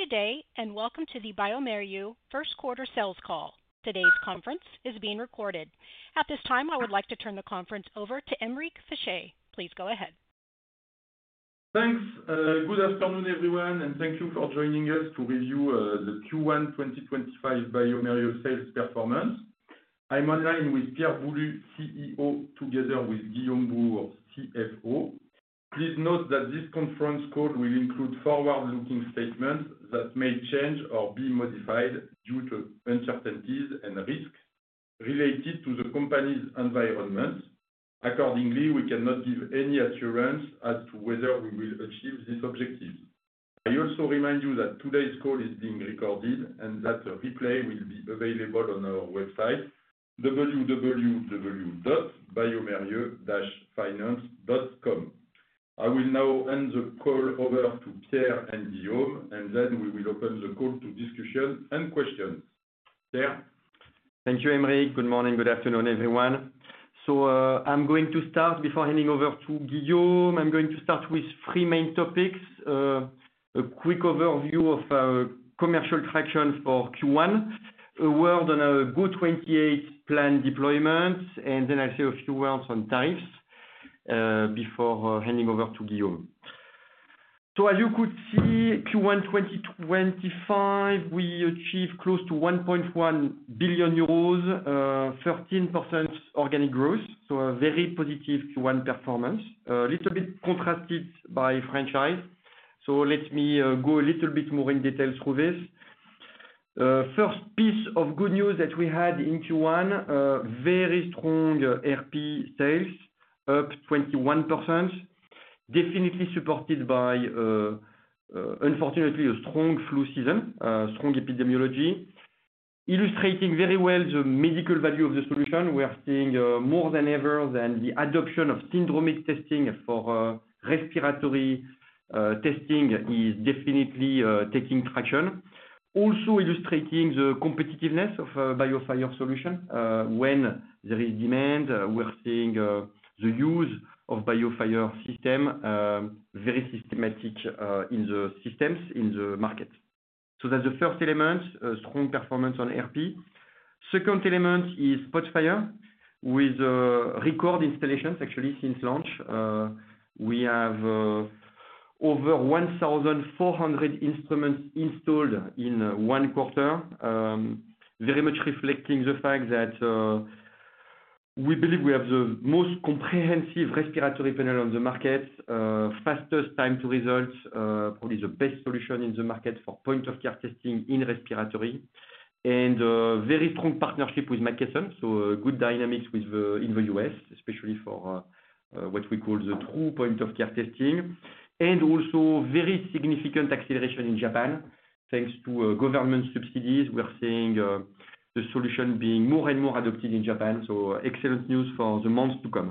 Good day, and welcome to the bioMérieux First Quarter Sales Call. Today's conference is being recorded. At this time, I would like to turn the conference over to Aymeric Fichet. Please go ahead. Thanks. Good afternoon, everyone, and thank you for joining us to review the Q1 2025 bioMérieux Sales Performance. I'm online with Pierre Boulud, CEO, together with Guillaume Bouhours, CFO. Please note that this conference call will include forward-looking statements that may change or be modified due to uncertainties and risks related to the company's environment. Accordingly, we cannot give any assurance as to whether we will achieve these objectives. I also remind you that today's call is being recorded and that a replay will be available on our website, www.bioMérieux-finance.com. I will now hand the call over to Pierre and Guillaume, and then we will open the call to discussion and questions. Pierre? Thank you, Aymeric. Good morning, good afternoon, everyone. I'm going to start before handing over to Guillaume. I'm going to start with three main topics, a quick overview of commercial traction for Q1, a word on a GO-28 plan deployments, and then I'll say a few words on tariffs before handing over to Guillaume. As you could see Q1 2025, we achieved close to 1.1 billion euros, 13% organic growth, so a very positive Q1 performance, a little bit contrasted by franchise. Let me go a little bit more in detail through this. First piece of good news that we had in Q1, very strong ERP sales, up 21%, definitely supported by, unfortunately, a strong flu season, strong epidemiology, illustrating very well the medical value of the solution. We are seeing more than ever that the adoption of syndromic testing for respiratory testing is definitely taking traction. Also illustrating the competitiveness of a BIOFIRE solution. When there is demand, we're seeing the use of the BIOFIRE system very systematic in the systems in the market. That's the first element: strong performance on RP. The second element is SPOTFIRE, with record installations, actually, since launch. We have over 1,400 instruments installed in one quarter, very much reflecting the fact that we believe we have the most comprehensive respiratory panel on the market, fastest time to results, probably the best solution in the market for Point of Care testing in respiratory, and a very strong partnership with McKesson. Good dynamics in the U.S., especially for what we call the true Point of Care testing, and also very significant acceleration in Japan, thanks to government subsidies. We are seeing the solution being more and more adopted in Japan, so excellent news for the months to come.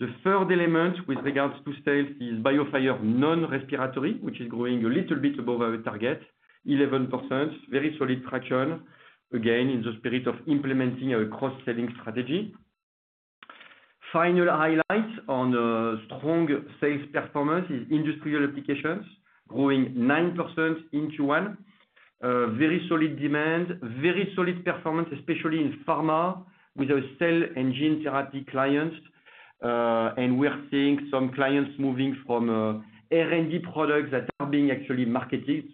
The third element with regards to sales is BIOFIRE non-respiratory, which is growing a little bit above our target, 11%, very solid traction, again, in the spirit of implementing a cross-selling strategy. Final highlight on strong sales performance is industrial applications, growing 9% in Q1, very solid demand, very solid performance, especially in Pharma with our cell and gene therapy clients. We are seeing some clients moving from R&D products that are being actually marketed.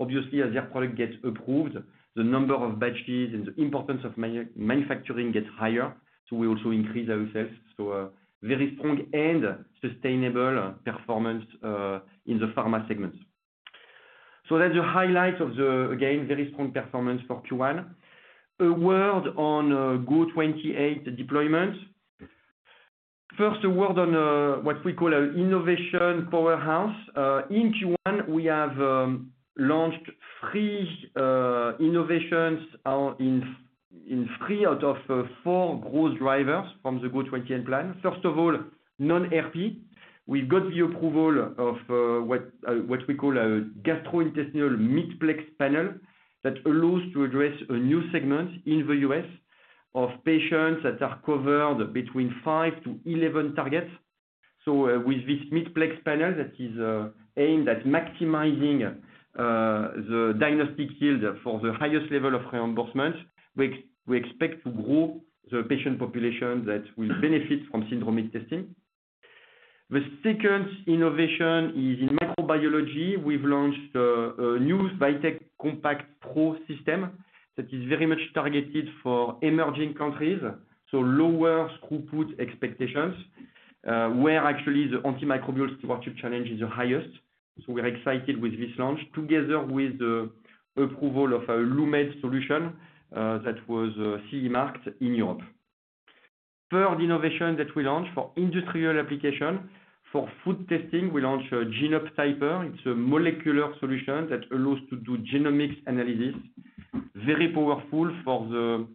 Obviously, as their product gets approved, the number of batches and the importance of manufacturing gets higher. We also increase our sales. Very strong and sustainable performance in the Pharma segment. That is the highlight of the, again, very strong performance for Q1. A word on GO-28 deployment. First, a word on what we call an innovation powerhouse. In Q1, we have launched three innovations out of four growth drivers from the GO-28 plan. First of all, non-RP. We got the approval of what we call a Gastrointestinal Mid-plex Panel that allows us to address a new segment in the U.S. of patients that are covered between 5-11 targets. With this mid-plex panel that is aimed at maximizing the diagnostic yield for the highest level of reimbursement, we expect to grow the patient population that will benefit from syndromic testing. The second innovation is in microbiology. We've launched a new VITEK COMPACT PRO system that is very much targeted for emerging countries, so lower throughput expectations, where actually the Antimicrobial Stewardship challenge is the highest. We're excited with this launch, together with the approval of a LUMED solution that was CE marked in Europe. Third innovation that we launched for industrial application for food testing, we launched a GENE-UP TYPER. It's a molecular solution that allows us to do genomics analysis, very powerful for the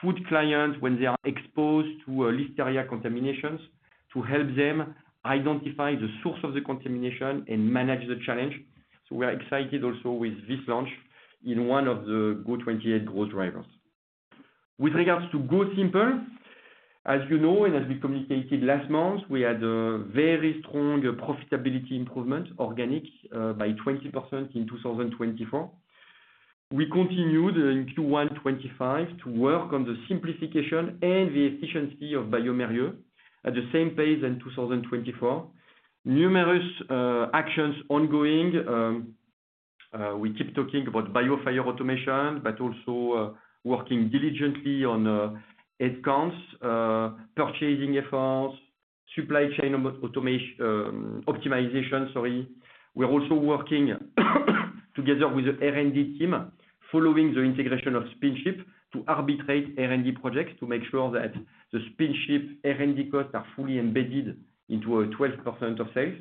food client when they are exposed to Listeria contaminations, to help them identify the source of the contamination and manage the challenge. We're excited also with this launch in one of the GO-28 growth drivers. With regards to GOSimple, as you know, and as we communicated last month, we had a very strong profitability improvement, organic, by 20% in 2024. We continued in Q1 2025 to work on the simplification and the efficiency of bioMérieux at the same pace in 2024. Numerous actions ongoing. We keep talking about BIOFIRE automation, but also working diligently on headcounts, purchasing efforts, supply chain optimization, sorry. We're also working together with the R&D team following the integration of SpinChip to arbitrate R&D projects to make sure that the SpinChip R&D costs are fully embedded into a 12% of sales.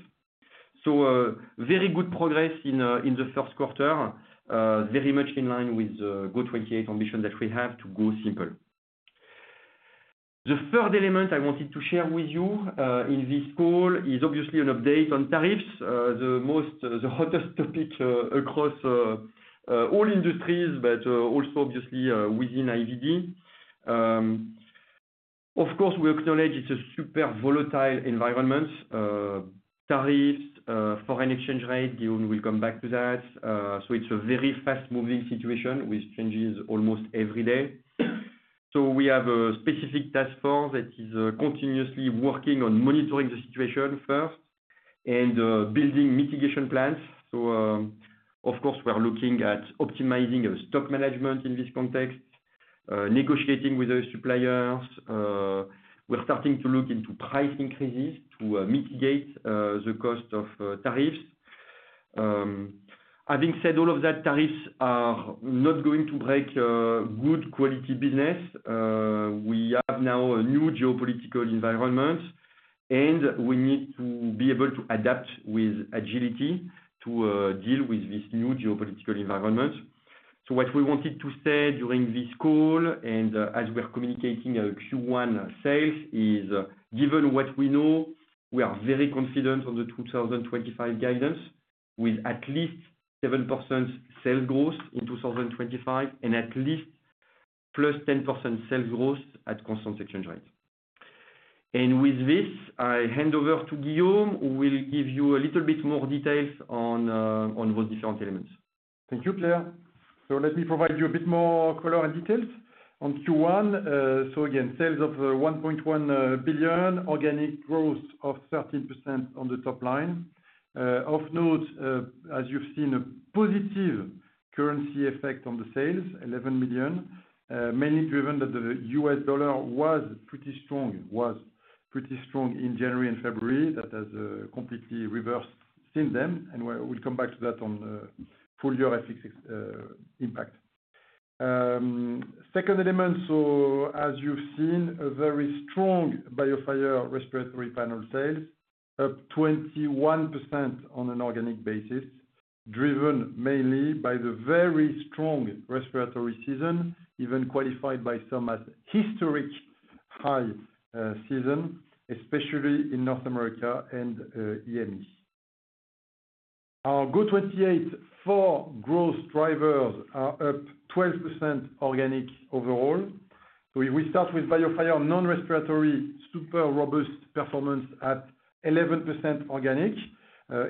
Very good progress in the first quarter, very much in line with the GO-28 ambition that we have to GOSimple. The third element I wanted to share with you in this call is obviously an update on tariffs, the hottest topic across all industries, but also obviously within IVD. Of course, we acknowledge it's a super volatile environment. Tariffs, foreign exchange rate, Guillaume will come back to that. It's a very fast-moving situation with changes almost every day. We have a specific task force that is continuously working on monitoring the situation first, and building mitigation plans. Of course, we're looking at optimizing our stock management in this context, negotiating with our suppliers. We're starting to look into price increases to mitigate the cost of tariffs. Having said all of that, tariffs are not going to break good quality business. We have now a new geopolitical environment, and we need to be able to adapt with agility to deal with this new geopolitical environment. What we wanted to say during this call, and as we're communicating our Q1 sales, is given what we know, we are very confident on the 2025 guidance with at least 7% sales growth in 2025 and at least plus 10% sales growth at constant exchange rate. With this, I hand over to Guillaume, who will give you a little bit more details on those different elements. Thank you, Pierre. Let me provide you a bit more color and details on Q1. Again, sales of $1.1 billion, organic growth of 13% on the top line. Of note, as you've seen, a positive currency effect on the sales, $11 million, mainly driven that the US dollar was pretty strong, was pretty strong in January and February. That has completely reversed since then, and we'll come back to that on full-year FX impact. Second element, as you've seen, a very strong BIOFIRE Respiratory Panel sales, up 21% on an organic basis, driven mainly by the very strong respiratory season, even qualified by some as historic high season, especially in North America and EMEA. Our GO-28 four growth drivers are up 12% organic overall. If we start with BIOFIRE non-respiratory, super robust performance at 11% organic,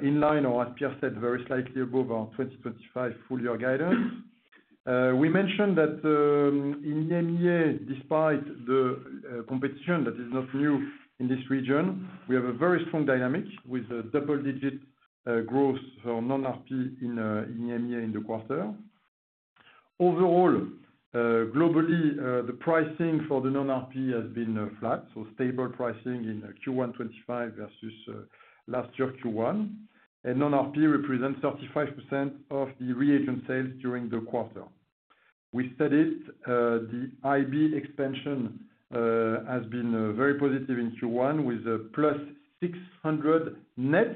in line or as Pierre said, very slightly above our 2025 full year guidance. We mentioned that in EMEA, despite the competition that is not new in this region, we have a very strong dynamic with a double-digit growth for non-RP in EMEA in the quarter. Overall, globally, the pricing for the non-RP has been flat, so stable pricing in Q1 2025 versus last year, Q1. Non-RP represents 35% of the reagent sales during the quarter. We said it, the IB expansion has been very positive in Q1 with plus 600 net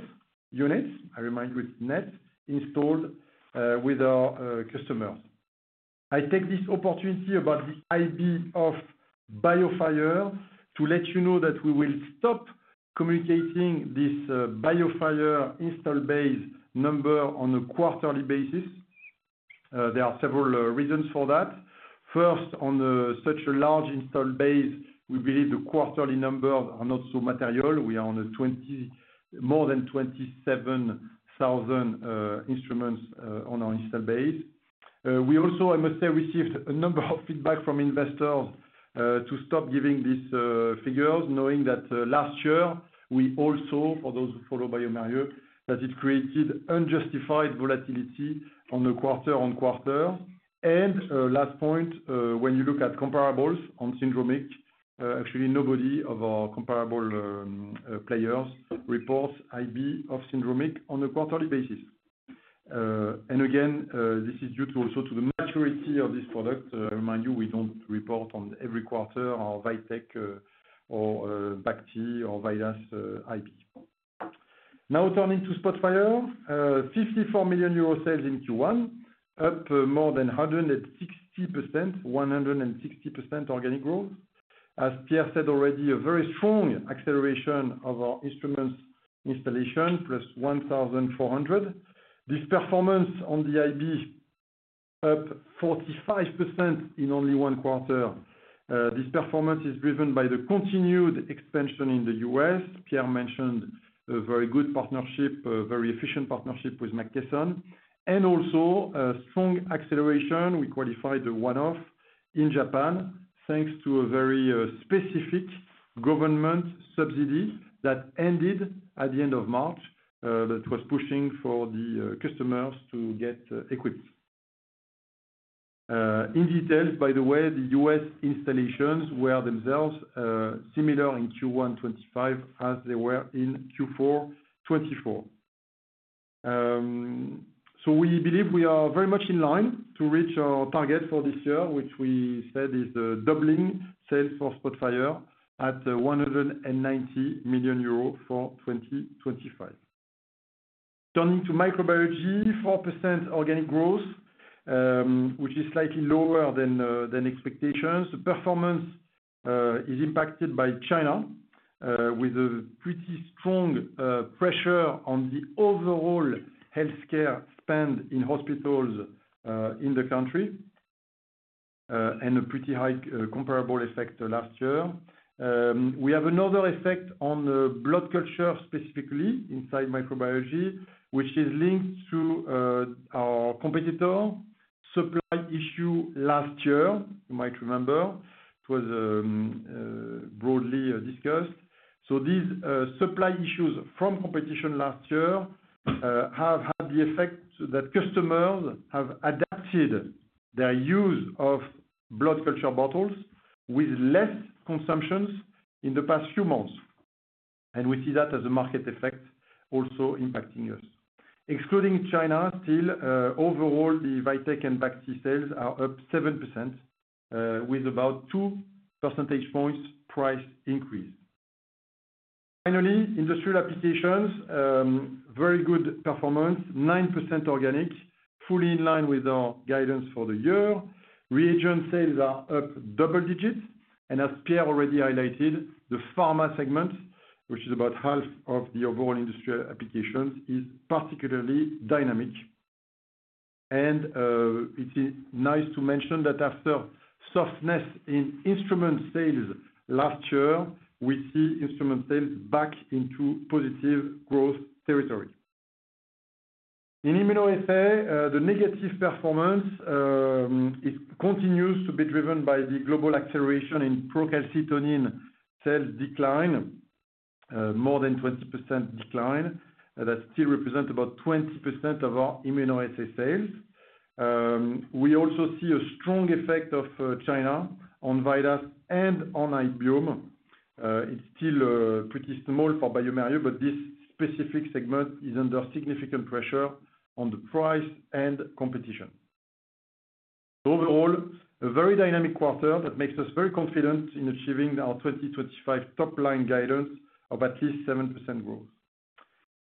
units. I remind you, it is net installed with our customers. I take this opportunity about the IB of BIOFIRE to let you know that we will stop communicating this BIOFIRE install base number on a quarterly basis. There are several reasons for that. First, on such a large install base, we believe the quarterly numbers are not so material. We are on more than 27,000 instruments on our install base. We also, I must say, received a number of feedback from investors to stop giving these figures, knowing that last year, we also, for those who follow bioMérieux, that it created unjustified volatility on a quarter-on-quarter. Last point, when you look at comparables on syndromic, actually, nobody of our comparable players reports IB of syndromic on a quarterly basis. Again, this is due also to the maturity of this product. I remind you, we don't report on every quarter our VITEK or BACT/ALERT or VIDAS IB. Now turning to SPOTFIRE, 54 million euro sales in Q1, up more than 160%, 160% organic growth. As Pierre said already, a very strong acceleration of our instruments installation, plus 1,400. This performance on the IB, up 45% in only one quarter. This performance is driven by the continued expansion in the U.S. Pierre mentioned a very good partnership, a very efficient partnership with McKesson, and also a strong acceleration. We qualified a one-off in Japan, thanks to a very specific government subsidy that ended at the end of March, that was pushing for the customers to get equipped. In detail, by the way, the U.S. installations were themselves similar in Q1 2025 as they were in Q4 2024. We believe we are very much in line to reach our target for this year, which we said is doubling sales for SPOTFIRE at 190 million euros for 2025. Turning to microbiology, 4% organic growth, which is slightly lower than expectations. The performance is impacted by China, with a pretty strong pressure on the overall healthcare spend in hospitals in the country, and a pretty high comparable effect last year. We have another effect on blood culture, specifically inside microbiology, which is linked to our competitor supply issue last year. You might remember it was broadly discussed. These supply issues from competition last year have had the effect that customers have adapted their use of blood culture bottles with less consumptions in the past few months. We see that as a market effect also impacting us. Excluding China still, overall, the VITEK and BACT/ALERT sales are up 7% with about two percentage points price increase. Finally, industrial applications, very good performance, 9% organic, fully in line with our guidance for the year. Reagent sales are up double digits. As Pierre already highlighted, the pharma segment, which is about half of the overall industrial applications, is particularly dynamic. It is nice to mention that after softness in instrument sales last year, we see instrument sales back into positive growth territory. In immunoassay, the negative performance continues to be driven by the global acceleration in procalcitonin sales decline, more than 20% decline. That still represents about 20% of our immunoassay sales. We also see a strong effect of China on VIDAS and on Hybiome. It is still pretty small for bioMérieux, but this specific segment is under significant pressure on the price and competition. Overall, a very dynamic quarter that makes us very confident in achieving our 2025 top-line guidance of at least 7% growth.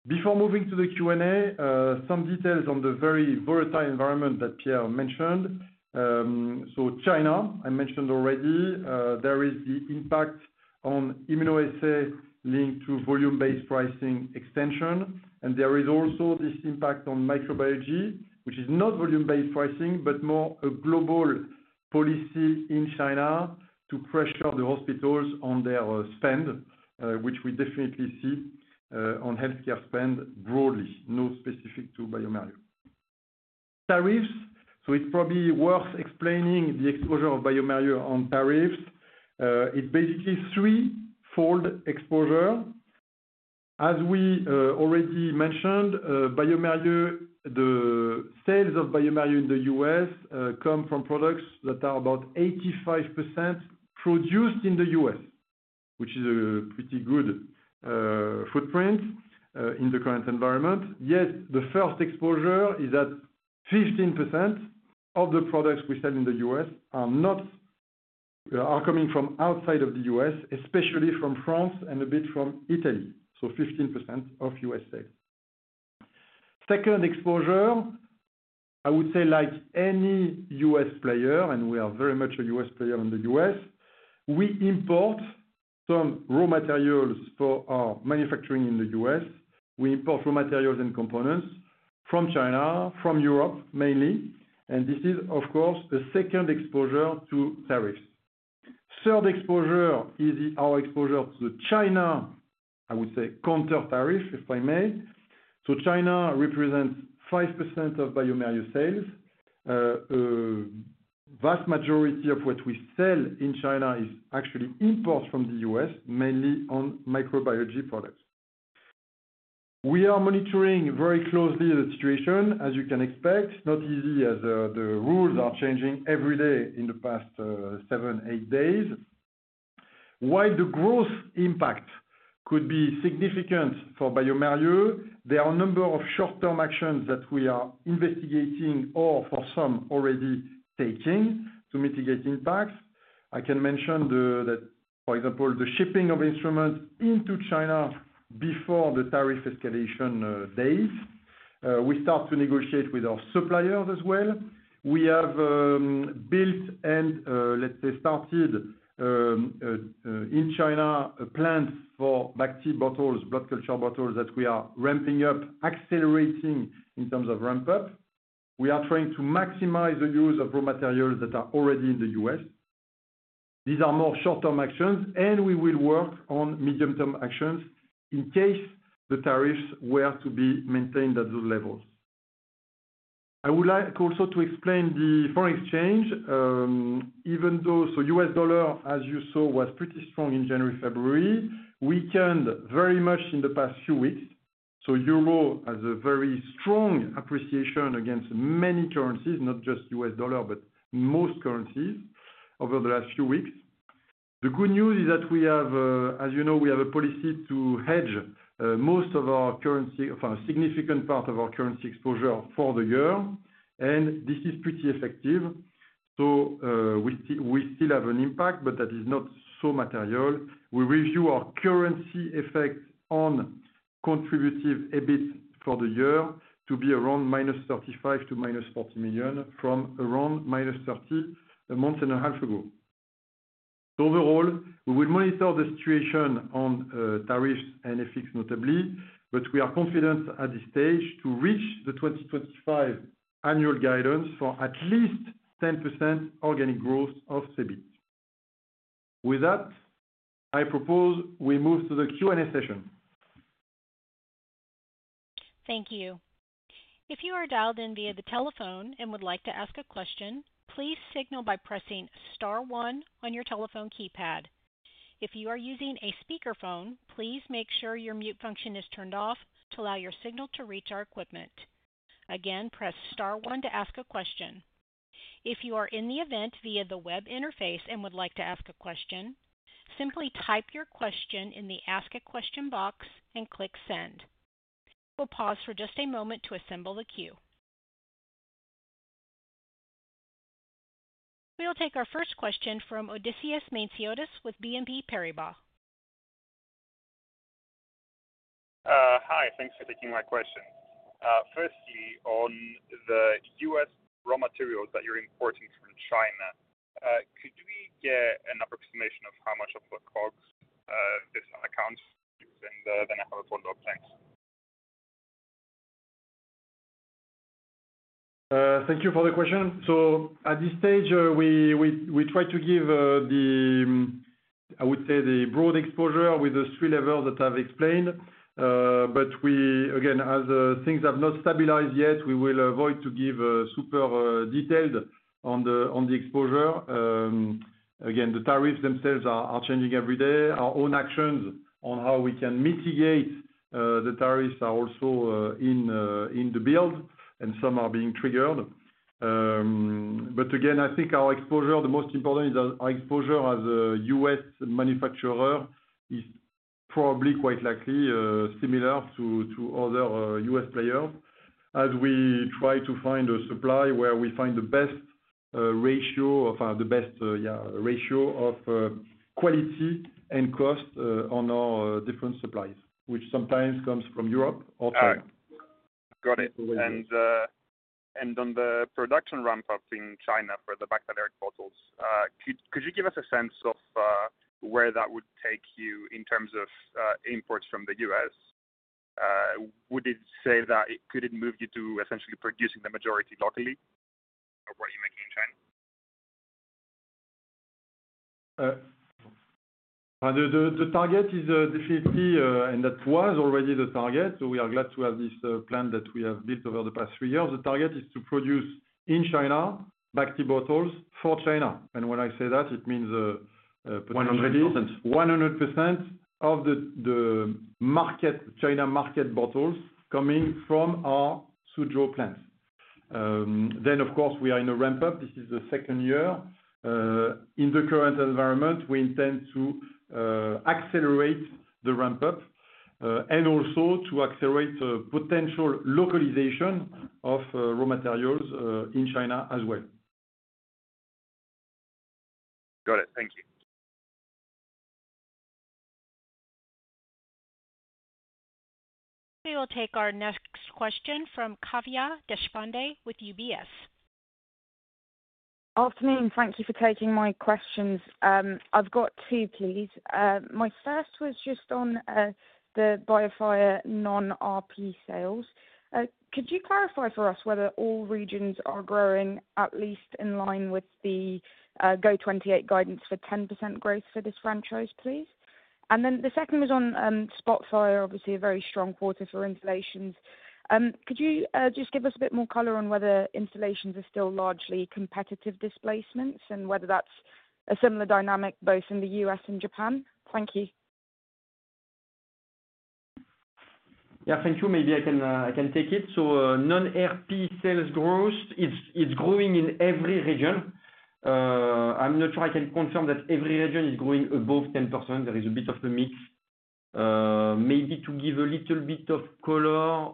Before moving to the Q&A, some details on the very volatile environment that Pierre mentioned. China, I mentioned already, there is the impact on immunoassay linked to volume-based pricing extension. There is also this impact on microbiology, which is not volume-based pricing, but more a global policy in China to pressure the hospitals on their spend, which we definitely see on healthcare spend broadly, not specific to bioMérieux. Tariffs, it's probably worth explaining the exposure of bioMérieux on tariffs. It's basically threefold exposure. As we already mentioned, the sales of bioMérieux in the U.S. come from products that are about 85% produced in the U.S., which is a pretty good footprint in the current environment. Yes, the first exposure is that 15% of the products we sell in the U.S. are coming from outside of the U.S., especially from France and a bit from Italy. So 15% of U.S. sales. Second exposure, I would say like any U.S. player, and we are very much a U.S. player in the U.S., we import some raw materials for our manufacturing in the U.S. We import raw materials and components from China, from Europe mainly. This is, of course, a second exposure to tariffs. Third exposure is our exposure to the China, I would say, counter tariff, if I may. China represents 5% of bioMérieux sales. A vast majority of what we sell in China is actually imports from the U.S., mainly on microbiology products. We are monitoring very closely the situation, as you can expect. Not easy, as the rules are changing every day in the past seven, eight days. While the growth impact could be significant for bioMérieux, there are a number of short-term actions that we are investigating or for some already taking to mitigate impacts. I can mention that, for example, the shipping of instruments into China before the tariff escalation days. We start to negotiate with our suppliers as well. We have built and, let's say, started in China a plant for BACT/ALERT bottles, blood culture bottles that we are ramping up, accelerating in terms of ramp-up. We are trying to maximize the use of raw materials that are already in the U.S. These are more short-term actions, and we will work on medium-term actions in case the tariffs will have to be maintained at those levels. I would like also to explain the foreign exchange, even though the US dollar, as you saw, was pretty strong in January-February. Weakened very much in the past few weeks. Euro has a very strong appreciation against many currencies, not just US dollar, but most currencies over the last few weeks. The good news is that we have, as you know, we have a policy to hedge most of our currency, a significant part of our currency exposure for the year. This is pretty effective. We still have an impact, but that is not so material. We review our currency effect on Contributive EBIT for the year to be around minus $35 million to minus $40 million from around minus $30 million a month and a half ago. Overall, we will monitor the situation on tariffs and FX notably, but we are confident at this stage to reach the 2025 annual guidance for at least 10% organic growth of CEBIT. With that, I propose we move to the Q&A session. Thank you. If you are dialed in via the telephone and would like to ask a question, please signal by pressing star one on your telephone keypad. If you are using a speakerphone, please make sure your mute function is turned off to allow your signal to reach our equipment. Again, press star one to ask a question. If you are in the event via the web interface and would like to ask a question, simply type your question in the ask a question box and click send. We'll pause for just a moment to assemble the queue. We'll take our first question from Odysseas Manesiotis with BNP Paribas. Hi, thanks for taking my question. Firstly, on the U.S. raw materials that you're importing from China, could we get an approximation of how much of the COGS this accounts for, and then I have a follow-up, thanks? Thank you for the question. At this stage, we try to give the, I would say, the broad exposure with the three levels that I've explained. Again, as things have not stabilized yet, we will avoid to give super detailed on the exposure. Again, the tariffs themselves are changing every day. Our own actions on how we can mitigate the tariffs are also in the build, and some are being triggered. Again, I think our exposure, the most important is our exposure as a U.S. manufacturer is probably quite likely similar to other U.S. players as we try to find a supply where we find the best ratio, or the best ratio of quality and cost on our different supplies, which sometimes comes from Europe also. Got it. And then on the production ramp-up in China for the BACT/ALERT bottles, could you give us a sense of where that would take you in terms of imports from the U.S.? Would it say that it could move you to essentially producing the majority locally of what you're making in China? The target is definitely, and that was already the target. We are glad to have this plan that we have built over the past three years. The target is to produce in China BACT/ALERT bottles for China. When I say that, it means 100% of the China market bottles coming from our Suzhou plants. Of course, we are in a ramp-up. This is the second year. In the current environment, we intend to accelerate the ramp-up and also to accelerate potential localization of raw materials in China as well. Got it. Thank you. We will take our next question from Kavya Deshpande with UBS. Afternoon. Thank you for taking my questions. I've got two, please. My first was just on the BIOFIRE non-RP sales. Could you clarify for us whether all regions are growing, at least in line with the GO-28 guidance for 10% growth for this franchise, please? And then the second was on SPOTFIRE, obviously a very strong quarter for installations. Could you just give us a bit more color on whether installations are still largely competitive displacements and whether that's a similar dynamic both in the U.S. and Japan? Thank you. Yeah, thank you. Maybe I can take it. Non-RP sales growth, it's growing in every region. I'm not sure I can confirm that every region is growing above 10%. There is a bit of a mix. Maybe to give a little bit of color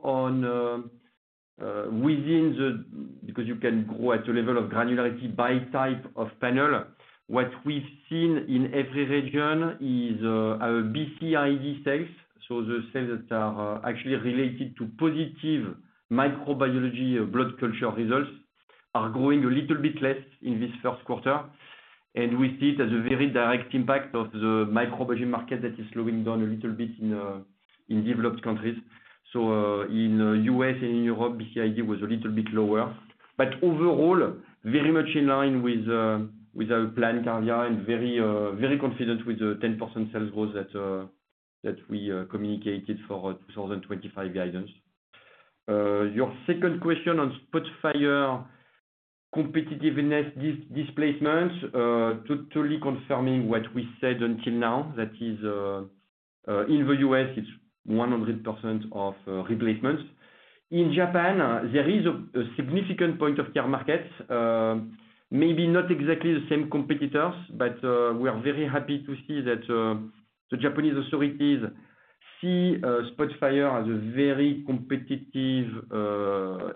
within the, because you can grow at the level of granularity by type of panel, what we've seen in every region is BCID sales. The sales that are actually related to positive microbiology blood culture results are growing a little bit less in this first quarter. We see it as a very direct impact of the microbiology market that is slowing down a little bit in developed countries. In the U.S. and in Europe, BCID was a little bit lower. Overall, very much in line with our plan, Kavya, and very confident with the 10% sales growth that we communicated for 2025 guidance. Your second question on SPOTFIRE competitiveness displacement, totally confirming what we said until now, that is in the U.S., it's 100% of replacements. In Japan, there is a significant point-of-care market, maybe not exactly the same competitors, but we are very happy to see that the Japanese authorities see SPOTFIRE as a very competitive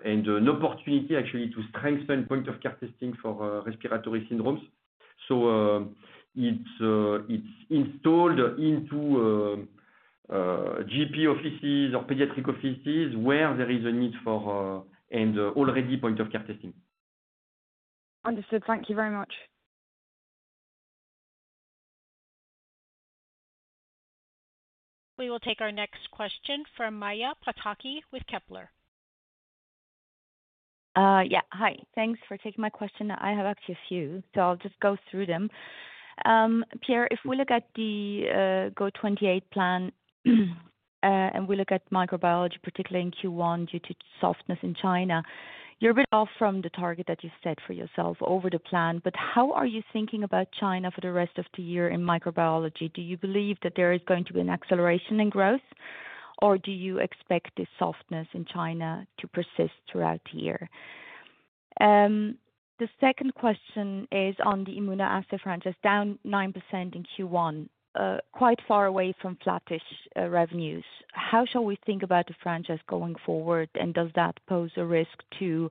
and an opportunity, actually to strengthen point-of-care testing for respiratory syndromes. It is installed into GP offices or pediatric offices where there is a need for and already point-of-care testing. Understood. Thank you very much. We will take our next question from Maja Pataki with Kepler. Yeah. Hi. Thanks for taking my question. I have actually a few, so I'll just go through them. Pierre, if we look at the GO-28 plan and we look at microbiology, particularly in Q1 due to softness in China, you're a bit off from the target that you set for yourself over the plan. How are you thinking about China for the rest of the year in microbiology? Do you believe that there is going to be an acceleration in growth, or do you expect the softness in China to persist throughout the year? The second question is on the immunoassay franchise, down 9% in Q1, quite far away from flattish revenues. How shall we think about the franchise going forward, and does that pose a risk to,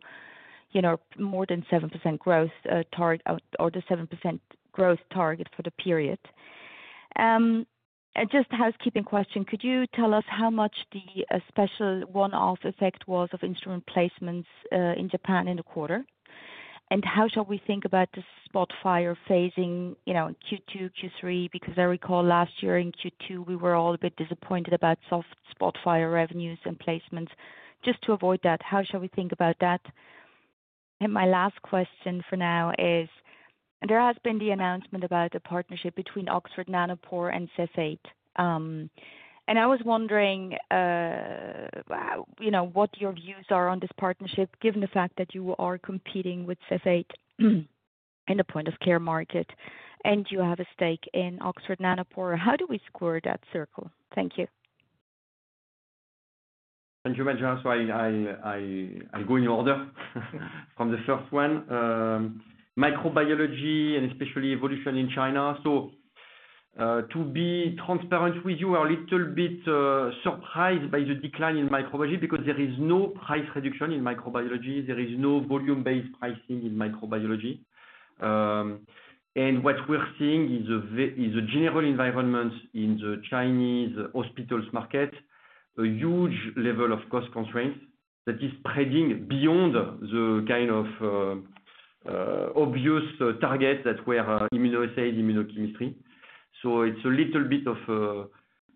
you know, more than 7% growth target or the 7% growth target for the period? Just a housekeeping question, could you tell us how much the special one-off effect was of instrument placements in Japan in the quarter? And how shall we think about the SPOTFIRE phasing Q2, Q3? I recall last year in Q2, we were all a bit disappointed about soft SPOTFIRE revenues and placements. Just to avoid that, how shall we think about that? My last question for now is, there has been the announcement about a partnership between Oxford Nanopore and Cepheid. I was wondering what your views are on this partnership, given the fact that you are competing with Cepheid in the point-of-care market and you have a stake in Oxford Nanopore. How do we square that circle? Thank you. Thank you, Maja. I'll go in order from the first one. Microbiology and especially evolution in China. To be transparent with you, we are a little bit surprised by the decline in microbiology because there is no price reduction in microbiology. There is no volume-based pricing in microbiology. What we're seeing is a general environment in the Chinese hospitals market, a huge level of cost constraints that is spreading beyond the kind of obvious target that were immunoassays, immunochemistry. It's a little bit of a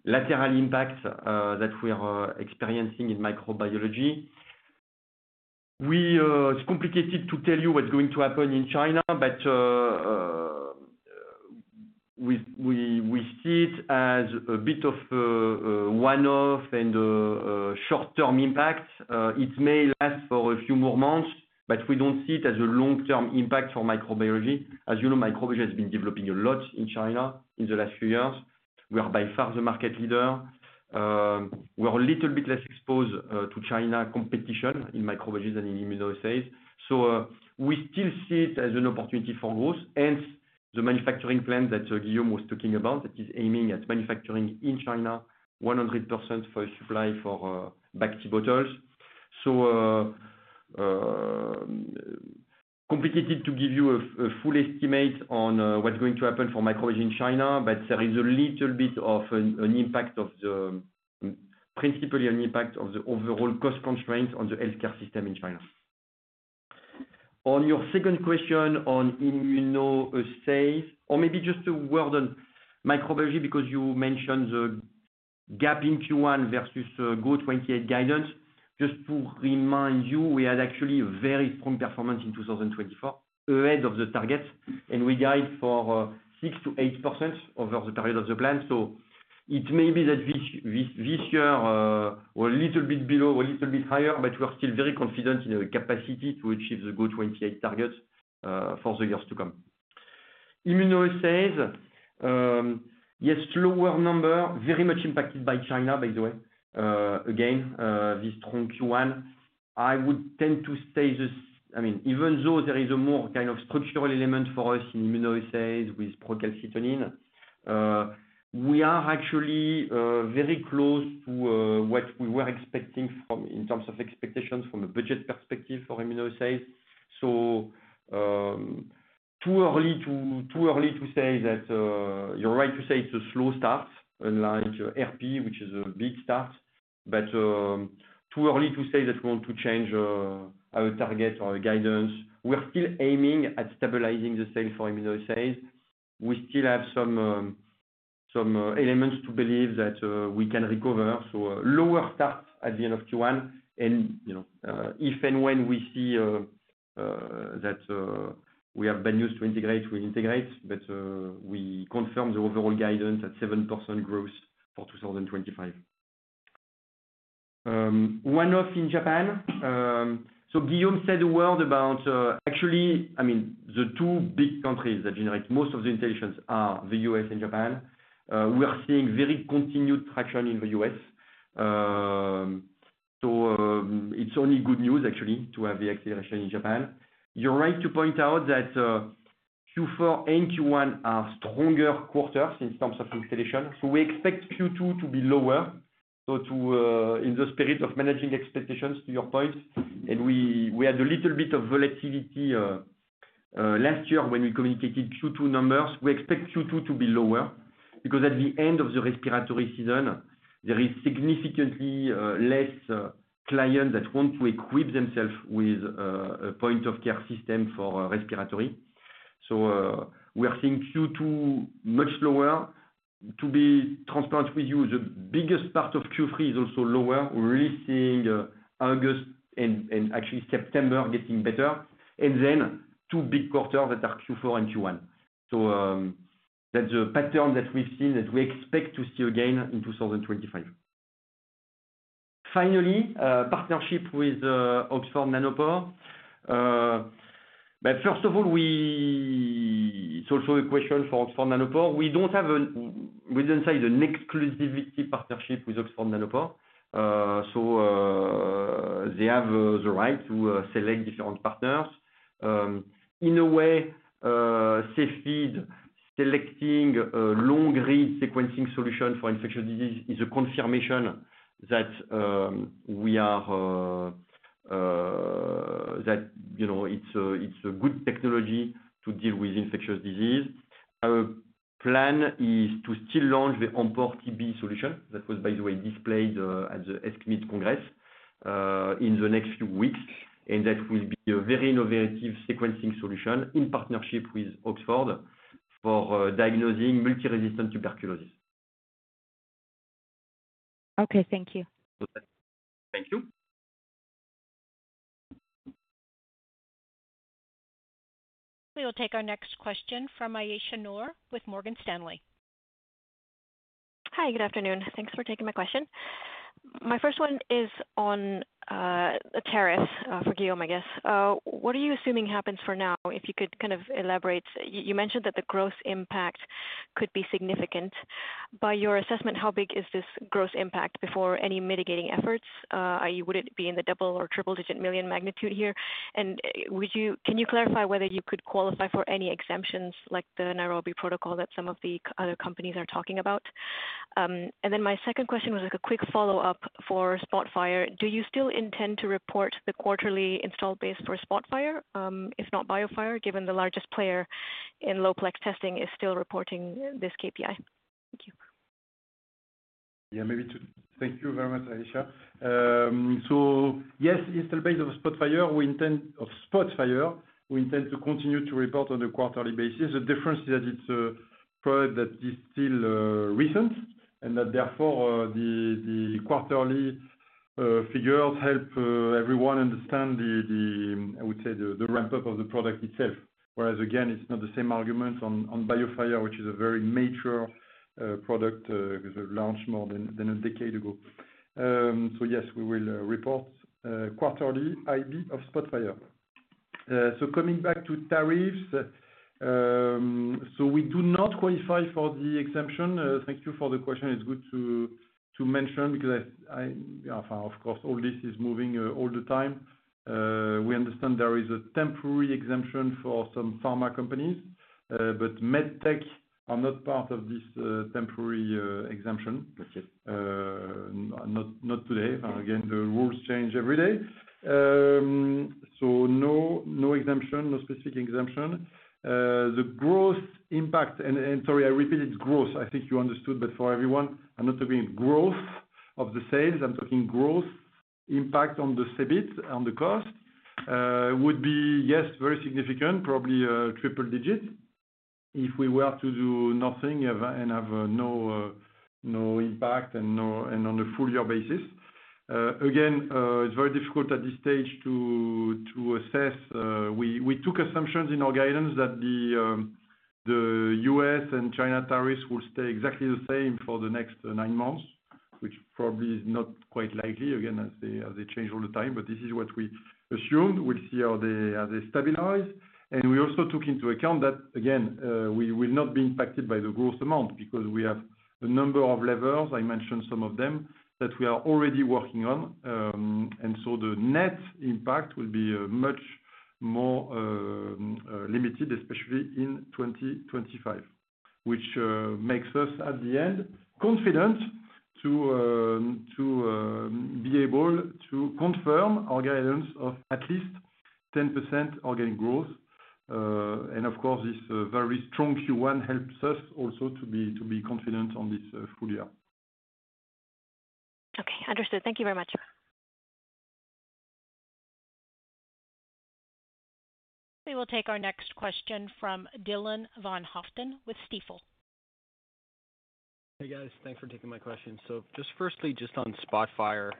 lateral impact that we are experiencing in microbiology. It's complicated to tell you what's going to happen in China, but we see it as a bit of a one-off and short-term impact. It may last for a few more months, but we don't see it as a long-term impact for microbiology. As you know, microbiology has been developing a lot in China in the last few years. We are by far the market leader. We are a little bit less exposed to China competition in microbiology than in immunoassays. We still see it as an opportunity for growth. Hence, the manufacturing plan that Guillaume was talking about, that is aiming at manufacturing in China 100% first supply for BACT/ALERT bottles. It is complicated to give you a full estimate on what is going to happen for microbiology in China, but there is a little bit of an impact, principally an impact of the overall cost constraints on the healthcare system in China. On your second question on immunoassays, or maybe just a word on microbiology because you mentioned the gap in Q1 versus GO-28 guidance, just to remind you, we had actually very strong performance in 2024 ahead of the target, and we guide for 6%-8% over the period of the plan. It may be that this year is a little bit below, a little bit higher, but we're still very confident in our capacity to achieve the GO-28 target for the years to come. Immunoassays, yes, lower number, very much impacted by China, by the way. Again, this strong Q1, I would tend to say, I mean, even though there is a more kind of structural element for us in immunoassays with procalcitonin, we are actually very close to what we were expecting in terms of expectations from a budget perspective for immunoassays. Too early to say that. You're right to say it's a slow start, like RP, which is a big start, but too early to say that we want to change our target or our guidance. We're still aiming at stabilizing the sales for immunoassays. We still have some elements to believe that we can recover. Lower start at the end of Q1. If and when we see that we have been used to integrate, we integrate, but we confirm the overall guidance at 7% growth for 2025. One-off in Japan. Guillaume said a word about, actually, I mean, the two big countries that generate most of the intelligence are the U.S. and Japan. We're seeing very continued traction in the U.S. It's only good news, actually, to have the acceleration in Japan. You're right to point out that Q4 and Q1 are stronger quarters in terms of installation. We expect Q2 to be lower. In the spirit of managing expectations, to your point, and we had a little bit of volatility last year when we communicated Q2 numbers, we expect Q2 to be lower because at the end of the respiratory season, there is significantly less clients that want to equip themselves with a point-of-care system for respiratory. We are seeing Q2 much lower. To be transparent with you, the biggest part of Q3 is also lower. We're really seeing August and actually September getting better. Then two big quarters that are Q4 and Q1. That's a pattern that we've seen that we expect to see again in 2025. Finally, partnership with Oxford Nanopore. First of all, it's also a question for Oxford Nanopore. We don't have an exclusivity partnership with Oxford Nanopore. They have the right to select different partners. In a way, Cepheid selecting long-read sequencing solution for infectious disease is a confirmation that it is a good technology to deal with infectious disease. Our plan is to still launch the AmPORE-TB solution that was, by the way, displayed at the ESCMID Congress in the next few weeks, and that will be a very innovative sequencing solution in partnership with Oxford for diagnosing multi-resistant tuberculosis. Okay. Thank you. Thank you. We will take our next question from Aisyah Noor with Morgan Stanley. Hi. Good afternoon. Thanks for taking my question. My first one is on the tariff for Guillaume, I guess. What are you assuming happens for now? If you could kind of elaborate, you mentioned that the gross impact could be significant. By your assessment, how big is this gross impact before any mitigating efforts? Would it be in the double or triple-digit million magnitude here? Can you clarify whether you could qualify for any exemptions like the Nairobi Protocol that some of the other companies are talking about? My second question was a quick follow-up for SPOTFIRE. Do you still intend to report the quarterly install base for SPOTFIRE, if not BIOFIRE, given the largest player in low-plex testing is still reporting this KPI? Thank you. Yeah, maybe to thank you very much, Aisyah. Yes, install base of SPOTFIRE we intend to continue to report on a quarterly basis. The difference is that it's a product that is still recent and that therefore the quarterly figures help everyone understand the, I would say, the ramp-up of the product itself. Whereas again, it's not the same argument on BIOFIRE, which is a very mature product launched more than a decade ago. Yes, we will report quarterly IB of SPOTFIRE. Coming back to tariffs, we do not qualify for the exemption. Thank you for the question. It's good to mention because, of course, all this is moving all the time. We understand there is a temporary exemption for some pharma companies, but medtech are not part of this temporary exemption. Not today. Again, the rules change every day. No exemption, no specific exemption. The growth impact, and sorry, I repeated gross. I think you understood, but for everyone, I'm not talking growth of the sales. I'm talking growth impact on the CEBIT, and the cost would be, yes, very significant, probably triple-digit if we were to do nothing and have no impact, and on a full-year basis. Again, it is very difficult at this stage to assess. We took assumptions in our guidance that the U.S. and China tariffs will stay exactly the same for the next nine months, which probably is not quite likely, again, as they change all the time, but this is what we assumed. We'll see how they stabilize. We also took into account that, again, we will not be impacted by the gross amount because we have a number of levers. I mentioned some of them that we are already working on. The net impact will be much more limited, especially in 2025, which makes us, at the end, confident to be able to confirm our guidance of at least 10% organic growth. Of course, this very strong Q1 helps us also to be confident on this full year. Okay. Understood. Thank you very much. We will take our next question from Dylan van Haaften with Stifel. Hey, guys. Thanks for taking my question. Just firstly, just on SPOTFIRE,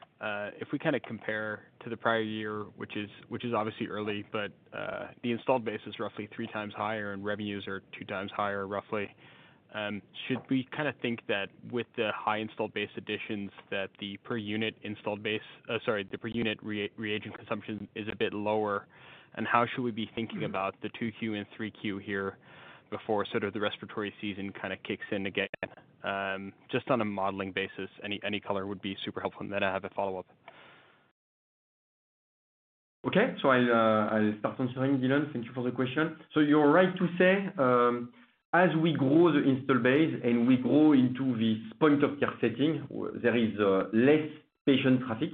if we kind of compare to the prior year, which is obviously early, but the installed base is roughly three times higher, and revenues are two times higher, roughly. Should we kind of think that with the high installed base additions that the per unit installed base, sorry, the per unit reagent consumption is a bit lower? How should we be thinking about the 2Q and 3Q here before sort of the respiratory season kind of kicks in again? Just on a modeling basis, any color would be super helpful. And then I have a follow-up. Okay. I start answering, Dylan. Thank you for the question. You're right to say as we grow the install base and we grow into this point-of-care setting, there is less patient traffic.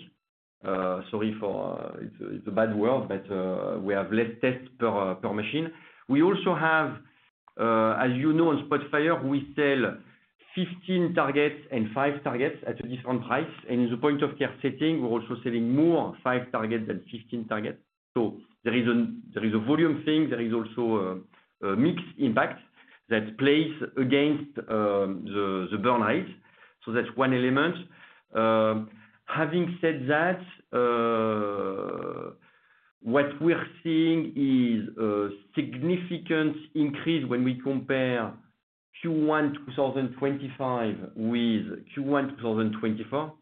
Sorry for it's a bad word, but we have less tests per machine. We also have, as you know, on SPOTFIRE, we sell 15 targets and five targets at a different price. In the point-of-care setting, we're also selling more five targets than 15 targets. There is a volume thing. There is also a mixed impact that plays against the burn rate. That's one element. Having said that, what we're seeing is a significant increase when we compare Q1 2025 with Q1 2024.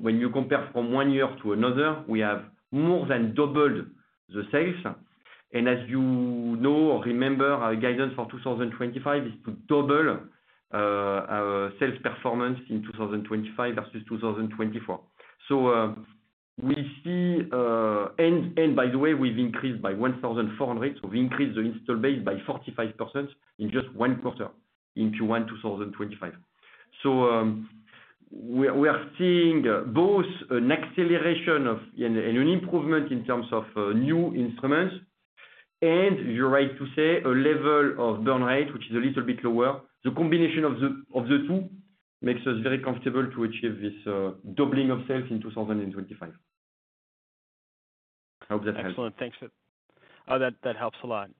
When you compare from one year to another, we have more than doubled the sales. As you know or remember, our guidance for 2025 is to double our sales performance in 2025 versus 2024. We see, and by the way, we've increased by 1,400. We increased the install base by 45% in just one quarter in Q1 2025. We are seeing both an acceleration and an improvement in terms of new instruments. You're right to say a level of burn rate, which is a little bit lower. The combination of the two makes us very comfortable to achieve this doubling of sales in 2025. I hope that helps. Excellent. Thanks. Oh, that helps a lot.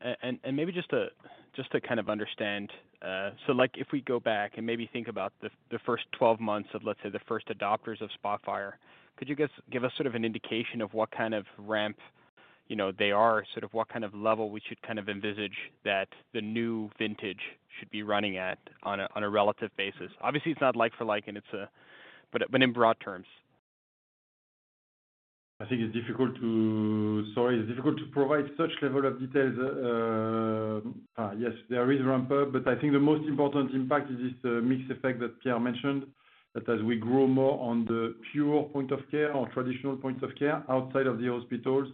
Maybe just to kind of understand, if we go back and maybe think about the first 12 months of, let's say, the first adopters of SPOTFIRE, could you give us sort of an indication of what kind of ramp they are, sort of what kind of level we should kind of envisage that the new vintage should be running at on a relative basis? Obviously, it's not like-for-like, but in broad terms. I think it's difficult to, sorry, it's difficult to provide such level of details. Yes, there is ramp-up, but I think the most important impact is this mixed effect that Pierre mentioned, that as we grow more on the pure point-of-care or traditional point-of-care outside of the hospitals,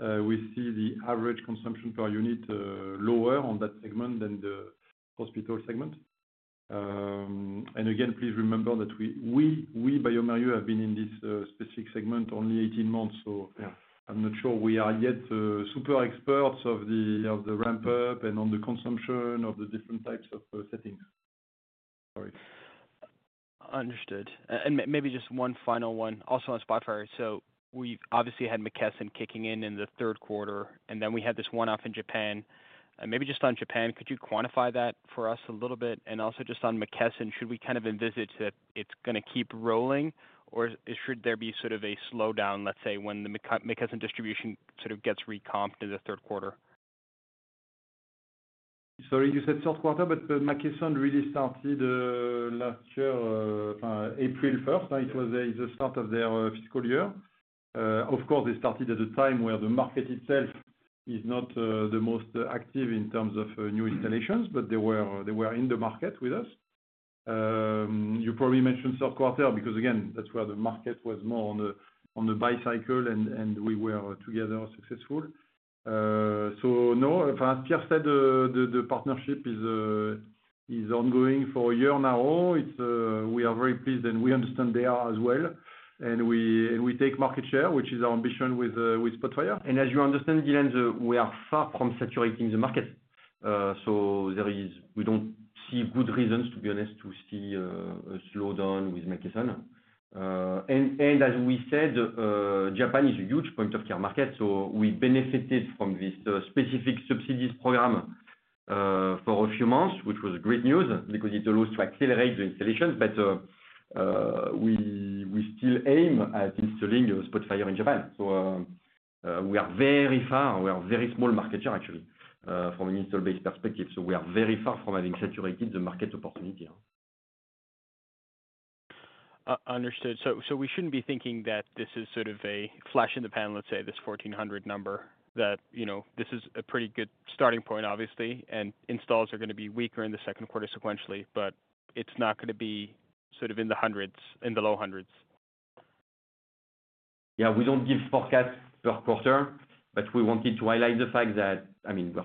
we see the average consumption per unit lower on that segment than the hospital segment. Again, please remember that we, we bioMérieux, have been in this specific segment only 18 months. I am not sure we are yet super experts of the ramp-up and on the consumption of the different types of settings. Sorry. Understood. Maybe just one final one. Also on SPOTFIRE, we obviously had McKesson kicking in in the third quarter, and then we had this one-off in Japan. Maybe just on Japan, could you quantify that for us a little bit? Also just on McKesson, should we kind of envisage that it's going to keep rolling, or should there be sort of a slowdown, let's say, when the McKesson distribution sort of gets recomped in the third quarter? Sorry, you said third quarter, but McKesson really started last year, April 1st. It was the start of their fiscal year. Of course, they started at a time where the market itself is not the most active in terms of new installations, but they were in the market with us. You probably mentioned third quarter because, again, that's where the market was more on the buy cycle, and we were together successful. No, as Pierre said, the partnership is ongoing for a year now. We are very pleased, and we understand they are as well. We take market share, which is our ambition with SPOTFIRE. As you understand, Dylan, we are far from saturating the market. We do not see good reasons, to be honest, to see a slowdown with McKesson. As we said, Japan is a huge point-of-care market. We benefited from this specific subsidies program for a few months, which was great news because it allows to accelerate the installations. We still aim at installing SPOTFIRE in Japan. We are very far. We are a very small market share, actually, from an install base perspective. We are very far from having saturated the market opportunity. Understood. We should not be thinking that this is sort of a flash in the pan, let's say, this 1,400 number, that you know, this is a pretty good starting point, obviously, and installs are going to be weaker in the second quarter sequentially, but it is not going to be sort of in the low hundreds. Yeah, we don't give forecasts per quarter, but we wanted to highlight the fact that, I mean, we're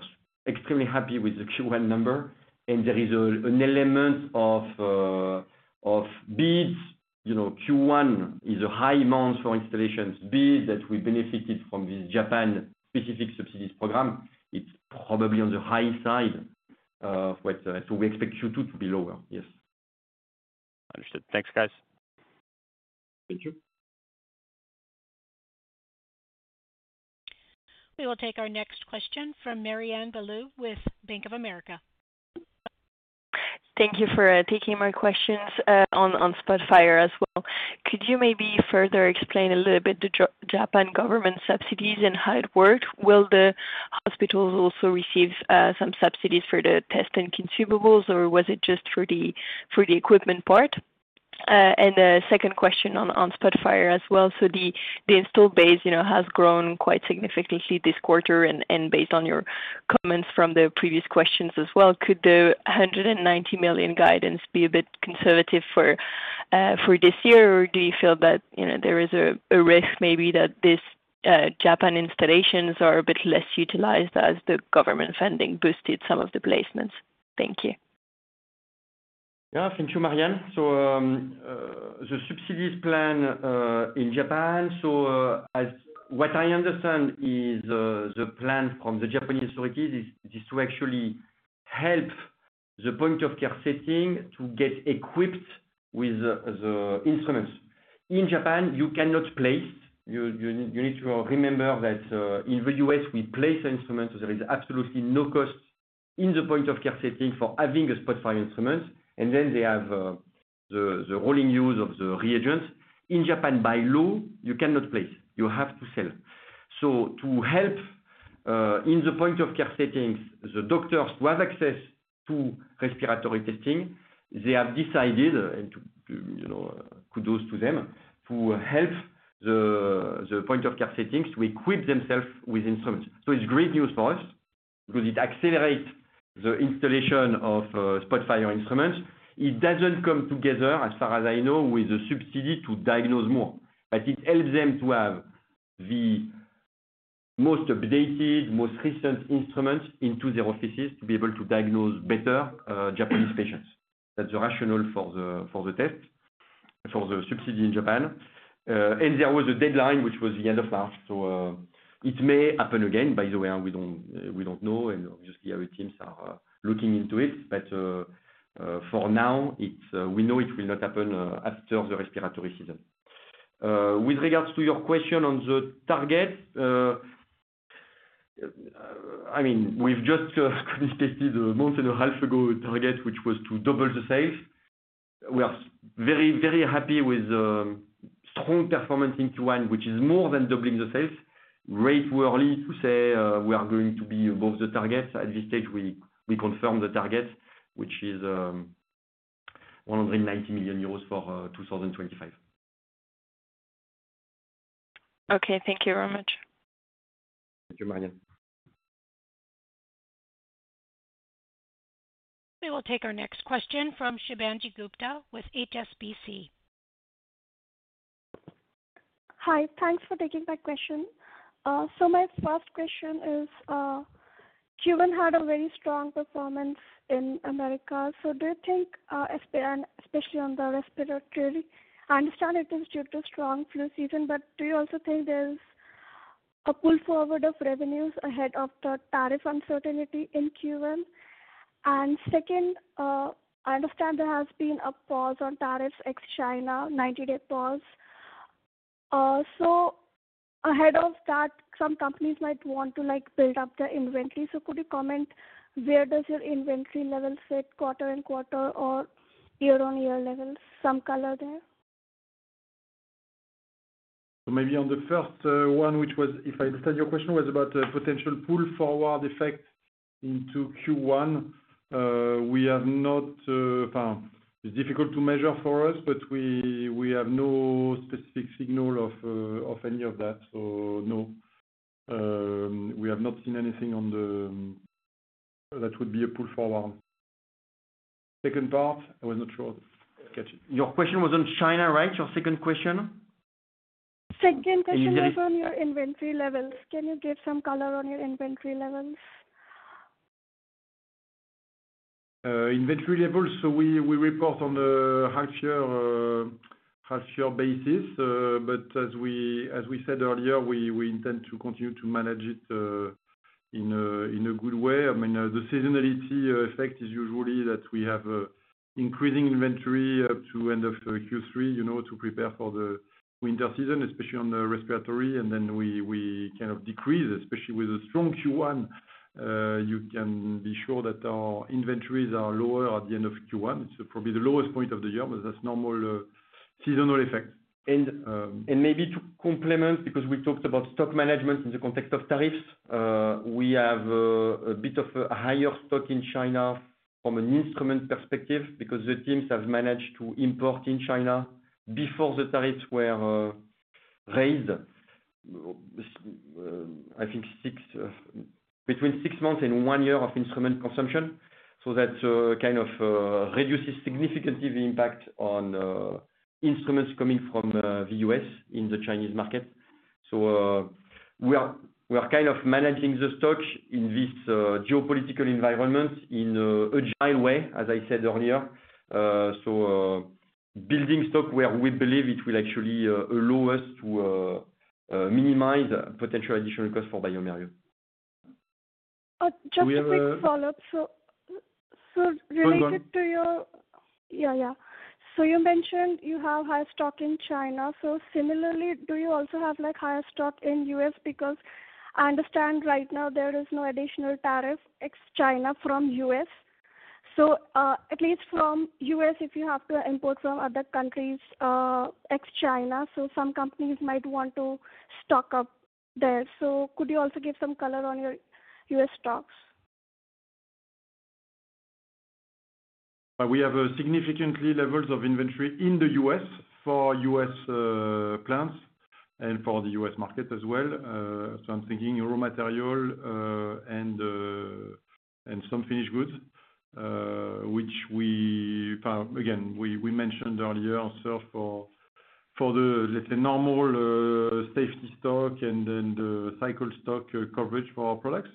extremely happy with the Q1 number. And there is an element of bids. You know, Q1 is a high month for installations bid that we benefited from this Japan-specific subsidies program. It's probably on the high side. We expect Q2 to be lower, yes. Understood. Thanks, guys. Thank you. We will take our next question from Marianne Bulot with Bank of America. Thank you for taking my questions on SPOTFIRE as well. Could you maybe further explain a little bit the Japan government subsidies and how it worked? Will the hospitals also receive some subsidies for the test and consumables, or was it just for the equipment part? The second question on SPOTFIRE as well. The install base has grown quite significantly this quarter, and based on your comments from the previous questions as well, could the $190 million guidance be a bit conservative for this year, or do you feel that there is a risk, maybe that these Japan installations are a bit less utilized as the government funding boosted some of the placements? Thank you. Yeah, thank you, Marianne. The subsidies plan in Japan, what I understand, is the plan from the Japanese authorities is to actually help the point-of-care setting to get equipped with the instruments. In Japan, you cannot place. You need to remember that in the U.S., we place an instrument. There is absolutely no cost in the point-of-care setting for having a SPOTFIRE instrument, and then they have the rolling use of the reagents. In Japan, by law, you cannot place. You have to sell. To help in the point-of-care settings, the doctors who have access to respiratory testing, they have decided, and kudos to them, to help the point-of-care settings to equip themselves with instruments. It is great news for us because it accelerates the installation of SPOTFIRE instruments. It does not come together, as far as I know, with a subsidy to diagnose more. It helps them to have the most updated, most recent instruments into their offices to be able to diagnose better Japanese patients. That is the rationale for the test for the subsidy in Japan. There was a deadline, which was the end of March. It may happen again, by the way. We do not know, and obviously, our teams are looking into it. For now, we know it will not happen after the respiratory season. With regards to your question on the target, I mean, we have just communicated a month and a half ago target, which was to double the sales. We are very, very happy with strong performance in Q1, which is more than doubling the sales. Right, we are early to say we are going to be above the target. At this stage, we confirm the target, which is 190 million euros for 2025. Okay. Thank you very much. Thank you, Marianne. We will take our next question from Shubhangi Gupta with HSBC. Hi. Thanks for taking my question. My first question is, you had a very strong performance in America. Do you think, especially on the respiratory, I understand it is due to strong flu season, but do you also think there is a pull forward of revenues ahead of the tariff uncertainty in Q1? And second, I understand there has been a pause on tariffs ex-China, 90-day pause. Ahead of that, some companies might want to build up their inventory. Could you comment where your inventory level sits, quarter-on-quarter or year-on-year level? Some color there. Maybe on the first one, which was, if I understand your question, was about a potential pull-forward effect into Q1. We have not, it's difficult to measure for us, but we have no specific signal of any of that. No, we have not seen anything that would be a pull forward. Second part, I was not sure. Your question was on China, right? Your second question? Second question is on your inventory levels. Can you give some color on your inventory levels? Inventory levels, so we report on a half-year basis. As we said earlier, we intend to continue to manage it in a good way. I mean, the seasonality effect is usually that we have increasing inventory up to end of Q3 to prepare for the winter season, especially on the respiratory. We kind of decrease, especially with a strong Q1. You can be sure that our inventories are lower at the end of Q1. It's probably the lowest point of the year, but that's normal seasonal effect. Maybe to complement, because we talked about stock management in the context of tariffs, we have a bit of a higher stock in China from an instrument perspective because the teams have managed to import in China before the tariffs were raised, I think between six months and one year of instrument consumption. That kind of reduces significantly the impact on instruments coming from the US in the Chinese market. We are kind of managing the stock in this geopolitical environment in an agile way, as I said earlier. Building stock where we believe it will actually allow us to minimize potential additional costs for bioMérieux. Just a quick follow-up. Related to your- Go ahead. Go on. Yeah, yeah. You mentioned you have higher stock in China. Similarly, do you also have higher stock in the U.S.? Because I understand right now there is no additional tariff, ex-China from U.S. At least from U.S. if you have to import from other countries, ex-China, some companies might want to stock up there. Could you also give some color on your U.S. stocks? We have significant levels of inventory in the U.S., for U.S. plants and for the U.S. market as well. I'm thinking raw material and some finished goods, which we, again, mentioned earlier also for the, let's say, normal safety stock, and then the cycle stock coverage for our products.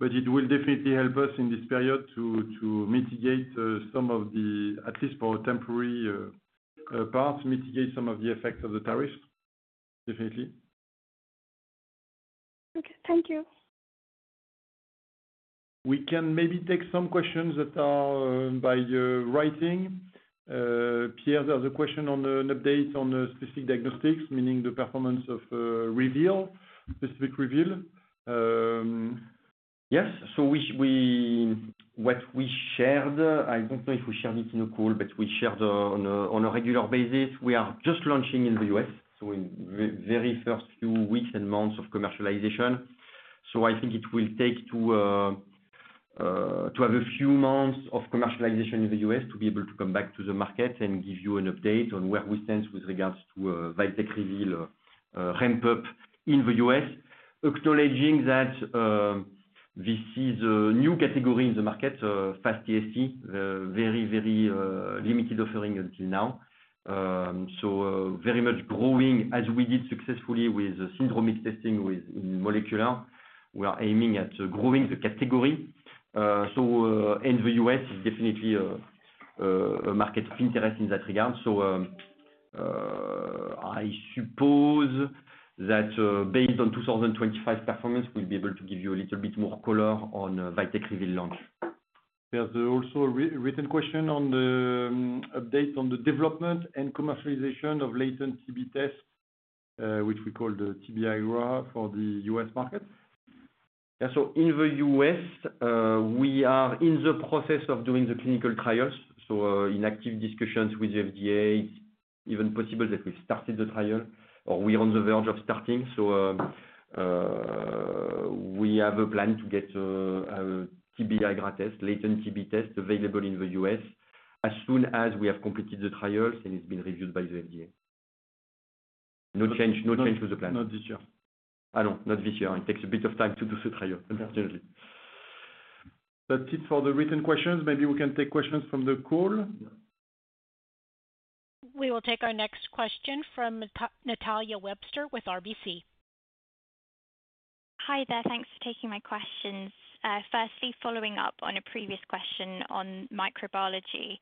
It will definitely help us in this period to mitigate some of the, at least for a temporary part, mitigate some of the effects of the tariffs, definitely. Okay. Thank you. We can maybe take some questions that are by writing. Pierre, there's a question on an update on Specific Diagnostics, meaning the performance of REVEAL, Specific REVEAL. Yes. What we shared, I do not know if we shared it in a call, but we share on a regular basis. We are just launching in the U.S., so in very first few weeks and months of commercialization. I think it will take a few months of commercialization in the U.S. to be able to come back to the market and give you an update on where we stand with regards to VITEK REVEAL ramp-up in the U.S., acknowledging that this is a new category in the market, fast AST, very, very limited offering until now. Very much growing, as we did successfully with syndromic testing in molecular. We are aiming at growing the category. In the U.S., it's definitely a market of interest in that regard. I suppose that based on 2025 performance, we'll be able to give you a little bit more color on VITEK REVEAL launch. There's also a written question on the update on the development and commercialization of latent TB test, which we call the TB-IGRA, for the U.S. market. Yeah. In the U.S., we are in the process of doing the clinical trials. In active discussions with the FDA, it's even possible that we've started the trial, or we are on the verge of starting. We have a plan to get a TB-IGRA test, latent TB test, available in the U.S. as soon as we have completed the trials and it's been reviewed by the FDA. No change to the plan. Not this year. I know. Not this year. It takes a bit of time to do the trial, unfortunately. That's it for the written questions. Maybe we can take questions from the call. We will take our next question from Natalia Webster with RBC. Hi there. Thanks for taking my questions. Firstly, following up on a previous question on microbiology,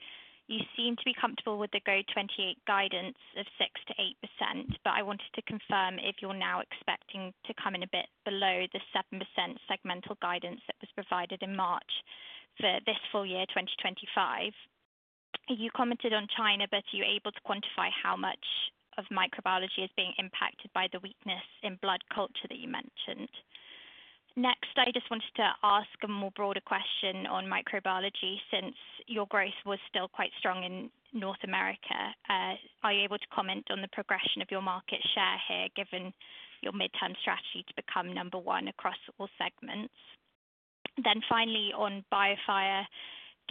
you seem to be comfortable with the GO-28 guidance of 6%-8%, but I wanted to confirm if you're now expecting to come in a bit below the 7% segmental guidance that was provided in March for this full year, 2025. You commented on China, but are you able to quantify how much of microbiology is being impacted by the weakness in blood culture that you mentioned? Next, I just wanted to ask a more broader question on microbiology since your growth was still quite strong in North America. Are you able to comment on the progression of your market share here, given your midterm strategy to become number one across all segments? Finally, on BIOFIRE,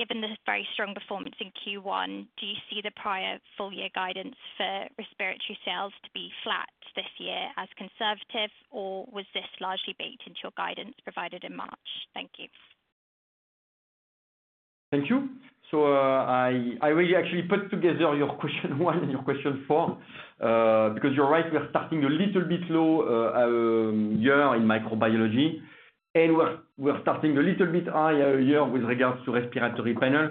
given the very strong performance in Q1, do you see the prior full-year guidance for respiratory sales to be flat this year as conservative, or was this largely baked into your guidance provided in March? Thank you. Thank you. I really actually put together your question one and your question four because you're right, we're starting a little bit low year in microbiology, and we're starting a little bit higher year with regards to respiratory panel.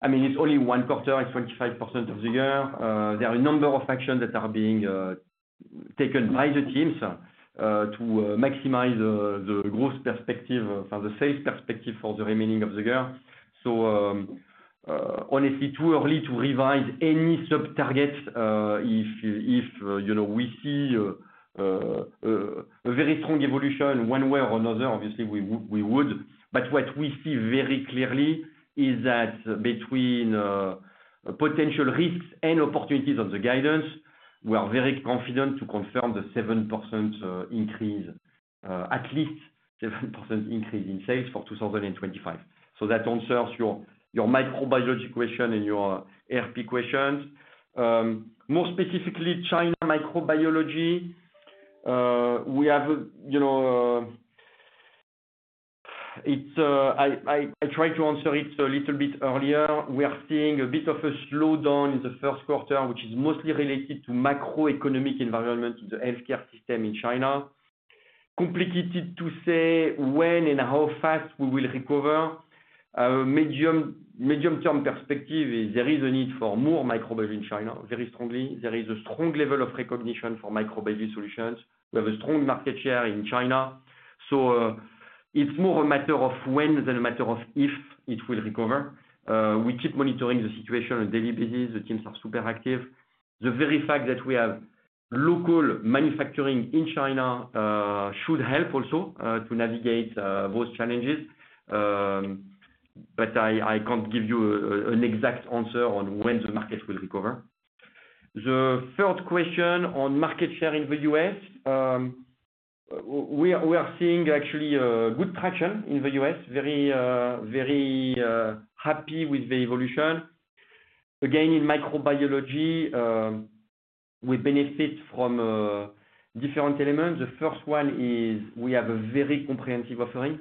I mean, it's only one quarter, it's 25% of the year. There are a number of actions that are being taken by the teams to maximize the growth perspective, the sales perspective for the remaining of the year. Honestly, too early to revise any sub-target. If we see a very strong evolution one way or another, obviously, we would. What we see very clearly is that between potential risks and opportunities on the guidance, we are very confident to confirm the 7% increase, at least 7% increase in sales for 2025. That answers your microbiology question and your RP questions. More specifically, China microbiology, we have a—I tried to answer it a little bit earlier. We are seeing a bit of a slowdown in the first quarter, which is mostly related to macroeconomic environment in the healthcare system in China. Complicated to say when and how fast we will recover. Medium-term perspective, there is a need for more microbiology in China, very strongly. There is a strong level of recognition for microbiology solutions. We have a strong market share in China. It is more a matter of when than a matter of if it will recover. We keep monitoring the situation on a daily basis. The teams are super active. The very fact that we have local manufacturing in China should help also to navigate those challenges. I cannot give you an exact answer on when the market will recover. The third question on market share in the U.S., we are seeing actually good traction in the U.S., very happy with the evolution. Again, in microbiology, we benefit from different elements. The first one is we have a very comprehensive offering,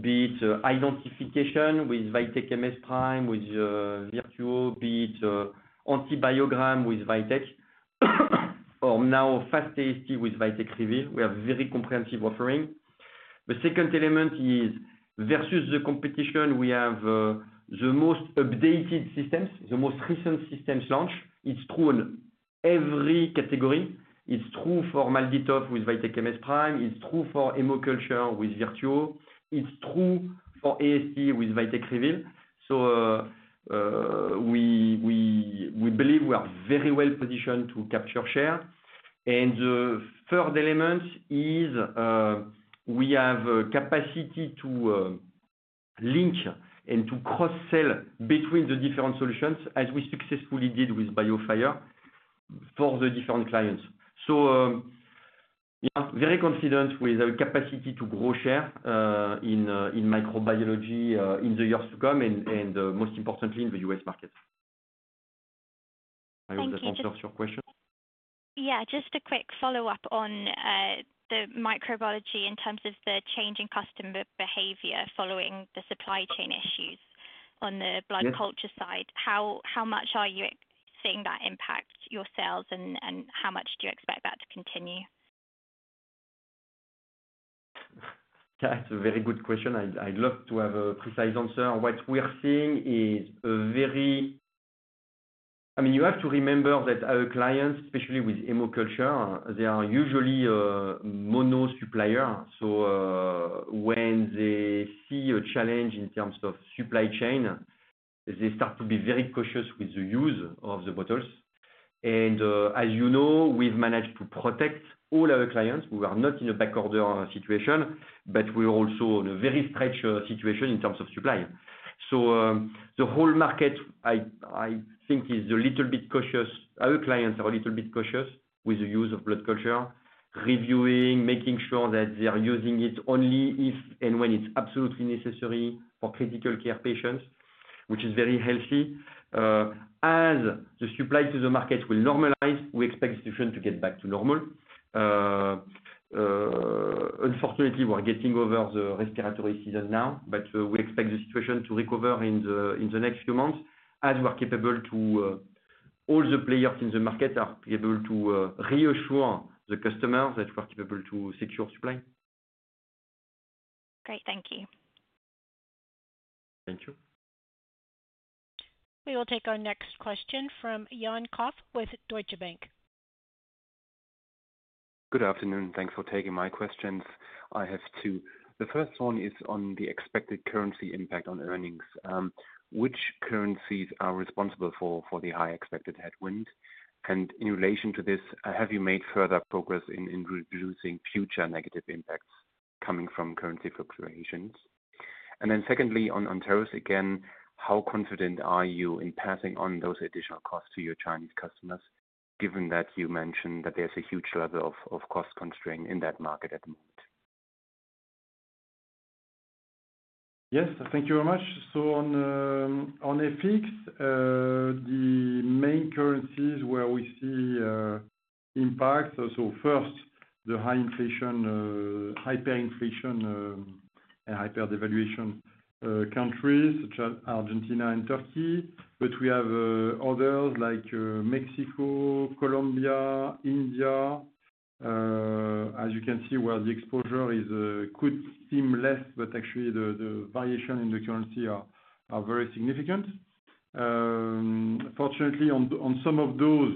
be it identification with VITEK MS PRIME, with VIRTUO, be it antibiogram with VITEK, or now fast AST with VITEK REVEAL. We have a very comprehensive offering. The second element is versus the competition, we have the most updated systems, the most recent systems launch. It's true in every category. It's true for MALDI-TOF with VITEK MS PRIME. It's true for HemoCulture with VIRTUO. It's true for AST with VITEK REVEAL. We believe we are very well positioned to capture share. The third element is we have capacity to link and to cross-sell between the different solutions, as we successfully did with BIOFIRE for the different clients. Yeah, very confident with our capacity to grow share in microbiology in the years to come and most importantly in the US market. I hope that answers your question. Yeah, just a quick follow-up on the microbiology in terms of the change in customer behavior following the supply chain issues on the blood culture side. How much are you seeing that impact yourselves, and how much do you expect that to continue? That's a very good question. I'd love to have a precise answer. What we are seeing is a very—I mean, you have to remember that our clients, especially with HemoCulture, they are usually mono suppliers. When they see a challenge in terms of supply chain, they start to be very cautious with the use of the bottles. As you know, we've managed to protect all our clients. We are not in a backorder situation, but we are also in a very stretched situation in terms of supply. The whole market, I think, is a little bit cautious. Our clients are a little bit cautious with the use of blood culture, reviewing, making sure that they're using it only if and when it's absolutely necessary for critical care patients, which is very healthy. As the supply to the market will normalize, we expect the situation to get back to normal. Unfortunately, we're getting over the respiratory season now, but we expect the situation to recover in the next few months as we're capable to—all the players in the market are capable to reassure the customers that we're capable to secure supply. Great. Thank you. Thank you. We will take our next question from Jan Koch with Deutsche Bank. Good afternoon. Thanks for taking my questions. I have two. The first one is on the expected currency impact on earnings. Which currencies are responsible for the high expected headwind? In relation to this, have you made further progress in reducing future negative impacts coming from currency fluctuations? Secondly, on tariffs again, how confident are you in passing on those additional costs to your Chinese customers, given that you mentioned that there is a huge level of cost constraint in that market at the moment? Yes. Thank you very much. On FX, the main currencies where we see impacts—first, the high inflation, hyperinflation, and hyperdevaluation countries such as Argentina and Turkey. We have others like Mexico, Colombia, India, as you can see, where the exposure could seem less, but actually the variation in the currency is very significant. Fortunately, on some of those,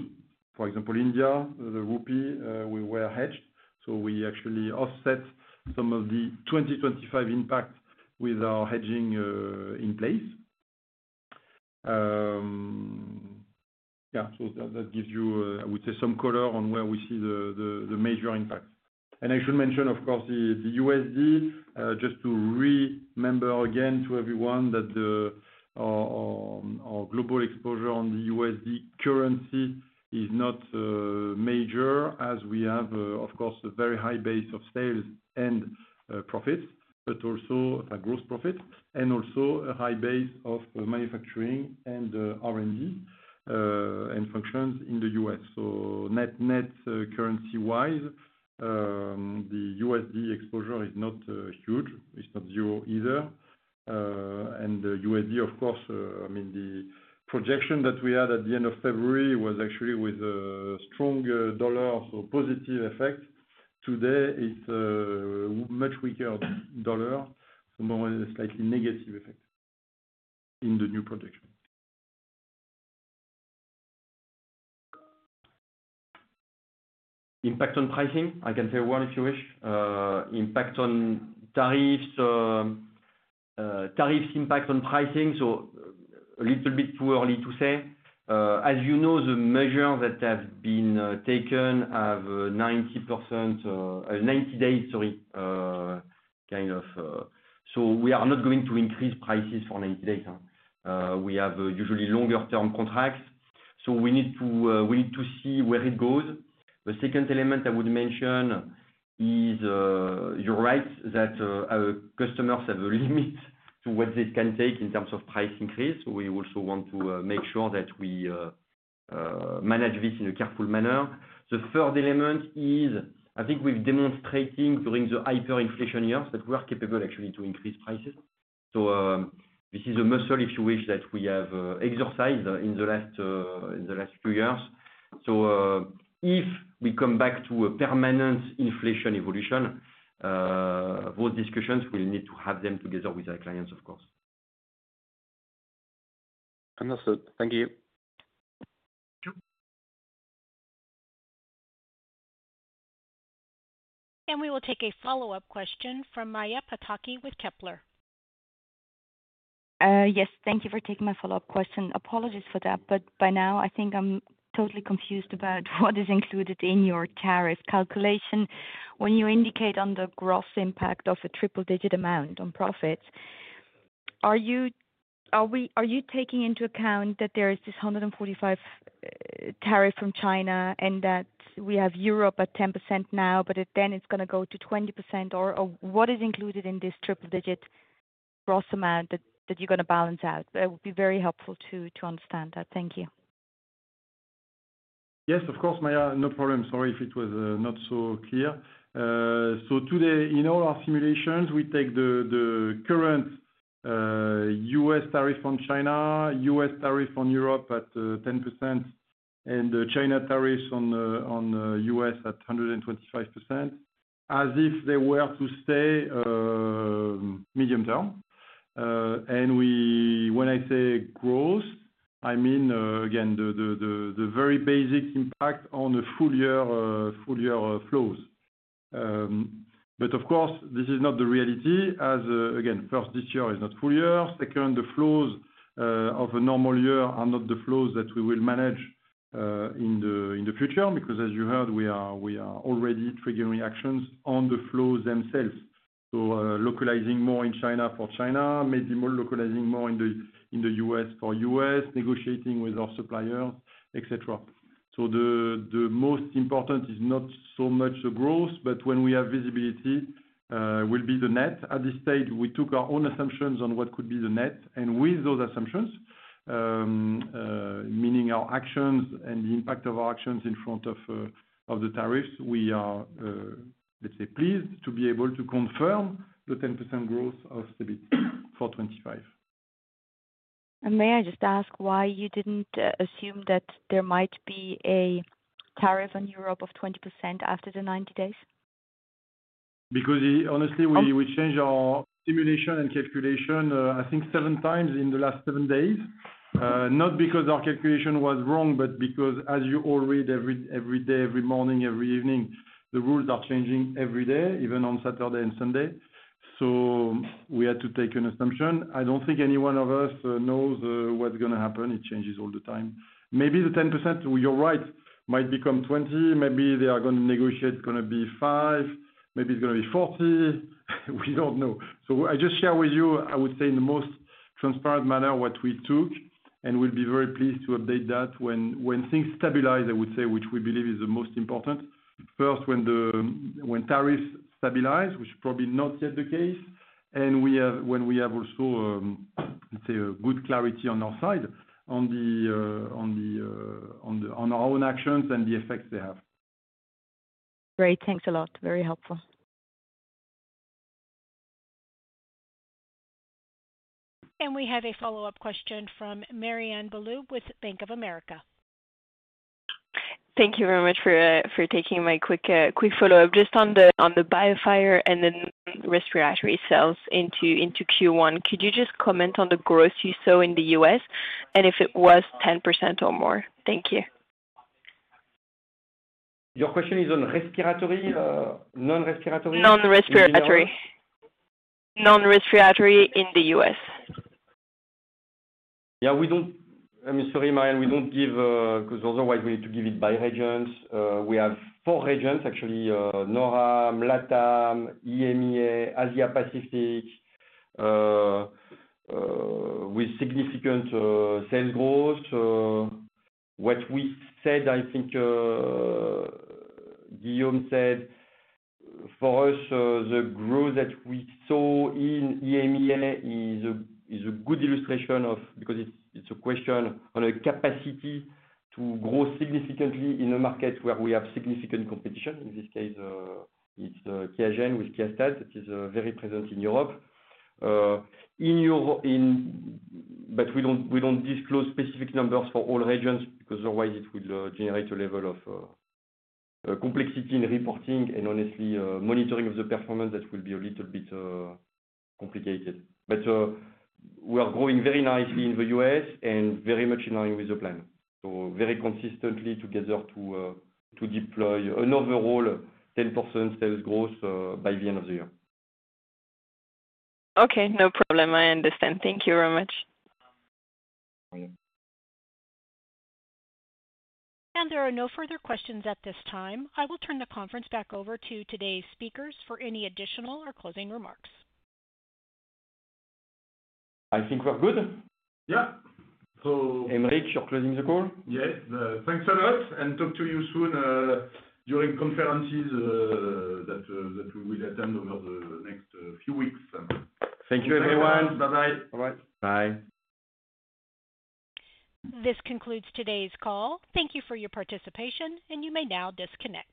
for example, India, the rupee, we were hedged. We actually offset some of the 2025 impact with our hedging in place. That gives you, I would say, some color on where we see the major impacts. I should mention, of course, the USD, just to remember again to everyone that our global exposure on the USD currency is not major, as we have, of course, a very high base of sales and profits, but also gross profits, and also a high base of manufacturing and R&D and functions in the U.S. Net currency-wise, the USD exposure is not huge. It's not zero either. The USD, of course, I mean, the projection that we had at the end of February was actually with a stronger dollar, so positive effect. Today, it's a much weaker dollar, so more slightly negative effect in the new projection. Impact on pricing. I can say one if you wish. Impact on tariffs, tariffs' impact on pricing. A little bit too early to say. As you know, the measures that have been taken have 90 days, kind of. We are not going to increase prices for 90 days. We have usually longer-term contracts. We need to see where it goes. The second element I would mention is, you're right that our customers have a limit to what they can take in terms of price increase. We also want to make sure that we manage this in a careful manner. The third element is, I think we've demonstrated during the hyperinflation years that we are capable actually to increase prices. This is a muscle, if you wish, that we have exercised in the last few years. If we come back to a permanent inflation evolution, those discussions, we'll need to have them together with our clients, of course. Understood. Thank you. Sure. We will take a follow-up question from Maja Pataki with Kepler. Yes. Thank you for taking my follow-up question. Apologies for that. By now, I think I'm totally confused about what is included in your tariff calculation. When you indicate on the gross impact of a triple-digit amount on profits, are you taking into account that there is this $145 tariff from China and that we have Europe at 10% now, but then it's going to go to 20%? What is included in this triple-digit gross amount that you're going to balance out? That would be very helpful to understand. Thank you. Yes, of course, Maja. No problem. Sorry if it was not so clear. Today, in all our simulations, we take the current U.S. tariff on China, U.S. tariff on Europe at 10%, and China tariffs on U.S. at 125%, as if they were to stay medium term. When I say gross, I mean, again, the very basic impact on the full-year flows. Of course, this is not the reality as, again, first, this year is not full year. Second, the flows of a normal year are not the flows that we will manage in the future because, as you heard, we are already triggering actions on the flows themselves. Localizing more in China for China, maybe localizing more in the U.S. for U.S., negotiating with our suppliers, etc. The most important is not so much the gross, but when we have visibility, will be the net. At this stage, we took our own assumptions on what could be the net. With those assumptions, meaning our actions and the impact of our actions in front of the tariffs, we are, let's say, pleased to be able to confirm the 10% growth of CEBIT for 2025. May I just ask why you didn't assume that there might be a tariff on Europe of 20% after the 90 days? Because, honestly, we changed our simulation and calculation, I think, seven times in the last seven days. Not because our calculation was wrong, but because, as you all read, every day, every morning, every evening, the rules are changing every day, even on Saturday and Sunday. We had to take an assumption. I do not think any one of us knows what is going to happen. It changes all the time. Maybe the 10%, you are right, might become 20. Maybe they are going to negotiate, it is going to be 5%. Maybe it is going to be 40%. We do not know. I just share with you, I would say, in the most transparent manner, what we took. We will be very pleased to update that when things stabilize, I would say, which we believe is the most important. First, when tariffs stabilize, which is probably not yet the case, and when we have also, let's say, good clarity on our side on our own actions and the effects they have. Great. Thanks a lot. Very helpful. We have a follow-up question from Marianne Bulot with Bank of America. Thank you very much for taking my quick follow-up. Just on the BIOFIRE and the respiratory sales into Q1, could you just comment on the growth you saw in the U.S. and if it was 10% or more? Thank you. Your question is on respiratory, non-respiratory? Non-respiratory. Non-respiratory in the U.S. Yeah. I mean, sorry, Marianne, we don't give because otherwise, we need to give it by regions. We have four regions, actually: NOAM, LATAM, EMEA, Asia Pacific, with significant sales growth. What we said, I think Guillaume said, for us, the growth that we saw in EMEA is a good illustration of because it's a question on a capacity to grow significantly in a market where we have significant competition. In this case, it's QIAGEN's with QIAstat that is very present in Europe. We don't disclose specific numbers for all regions because otherwise, it would generate a level of complexity in reporting and, honestly, monitoring of the performance that will be a little bit complicated. We are growing very nicely in the U.S. and very much in line with the plan. Very consistently together to deploy another role, 10% sales growth by the end of the year. Okay. No problem. I understand. Thank you very much. Yeah. There are no further questions at this time. I will turn the conference back over to today's speakers for any additional or closing remarks. I think we're good. Yeah. So. Aymeric, you're closing the call? Yes. Thanks a lot. Talk to you soon during conferences that we will attend over the next few weeks. Thank you, everyone. Thanks.Bye-bye. Bye-bye. Bye. This concludes today's call. Thank you for your participation, and you may now disconnect.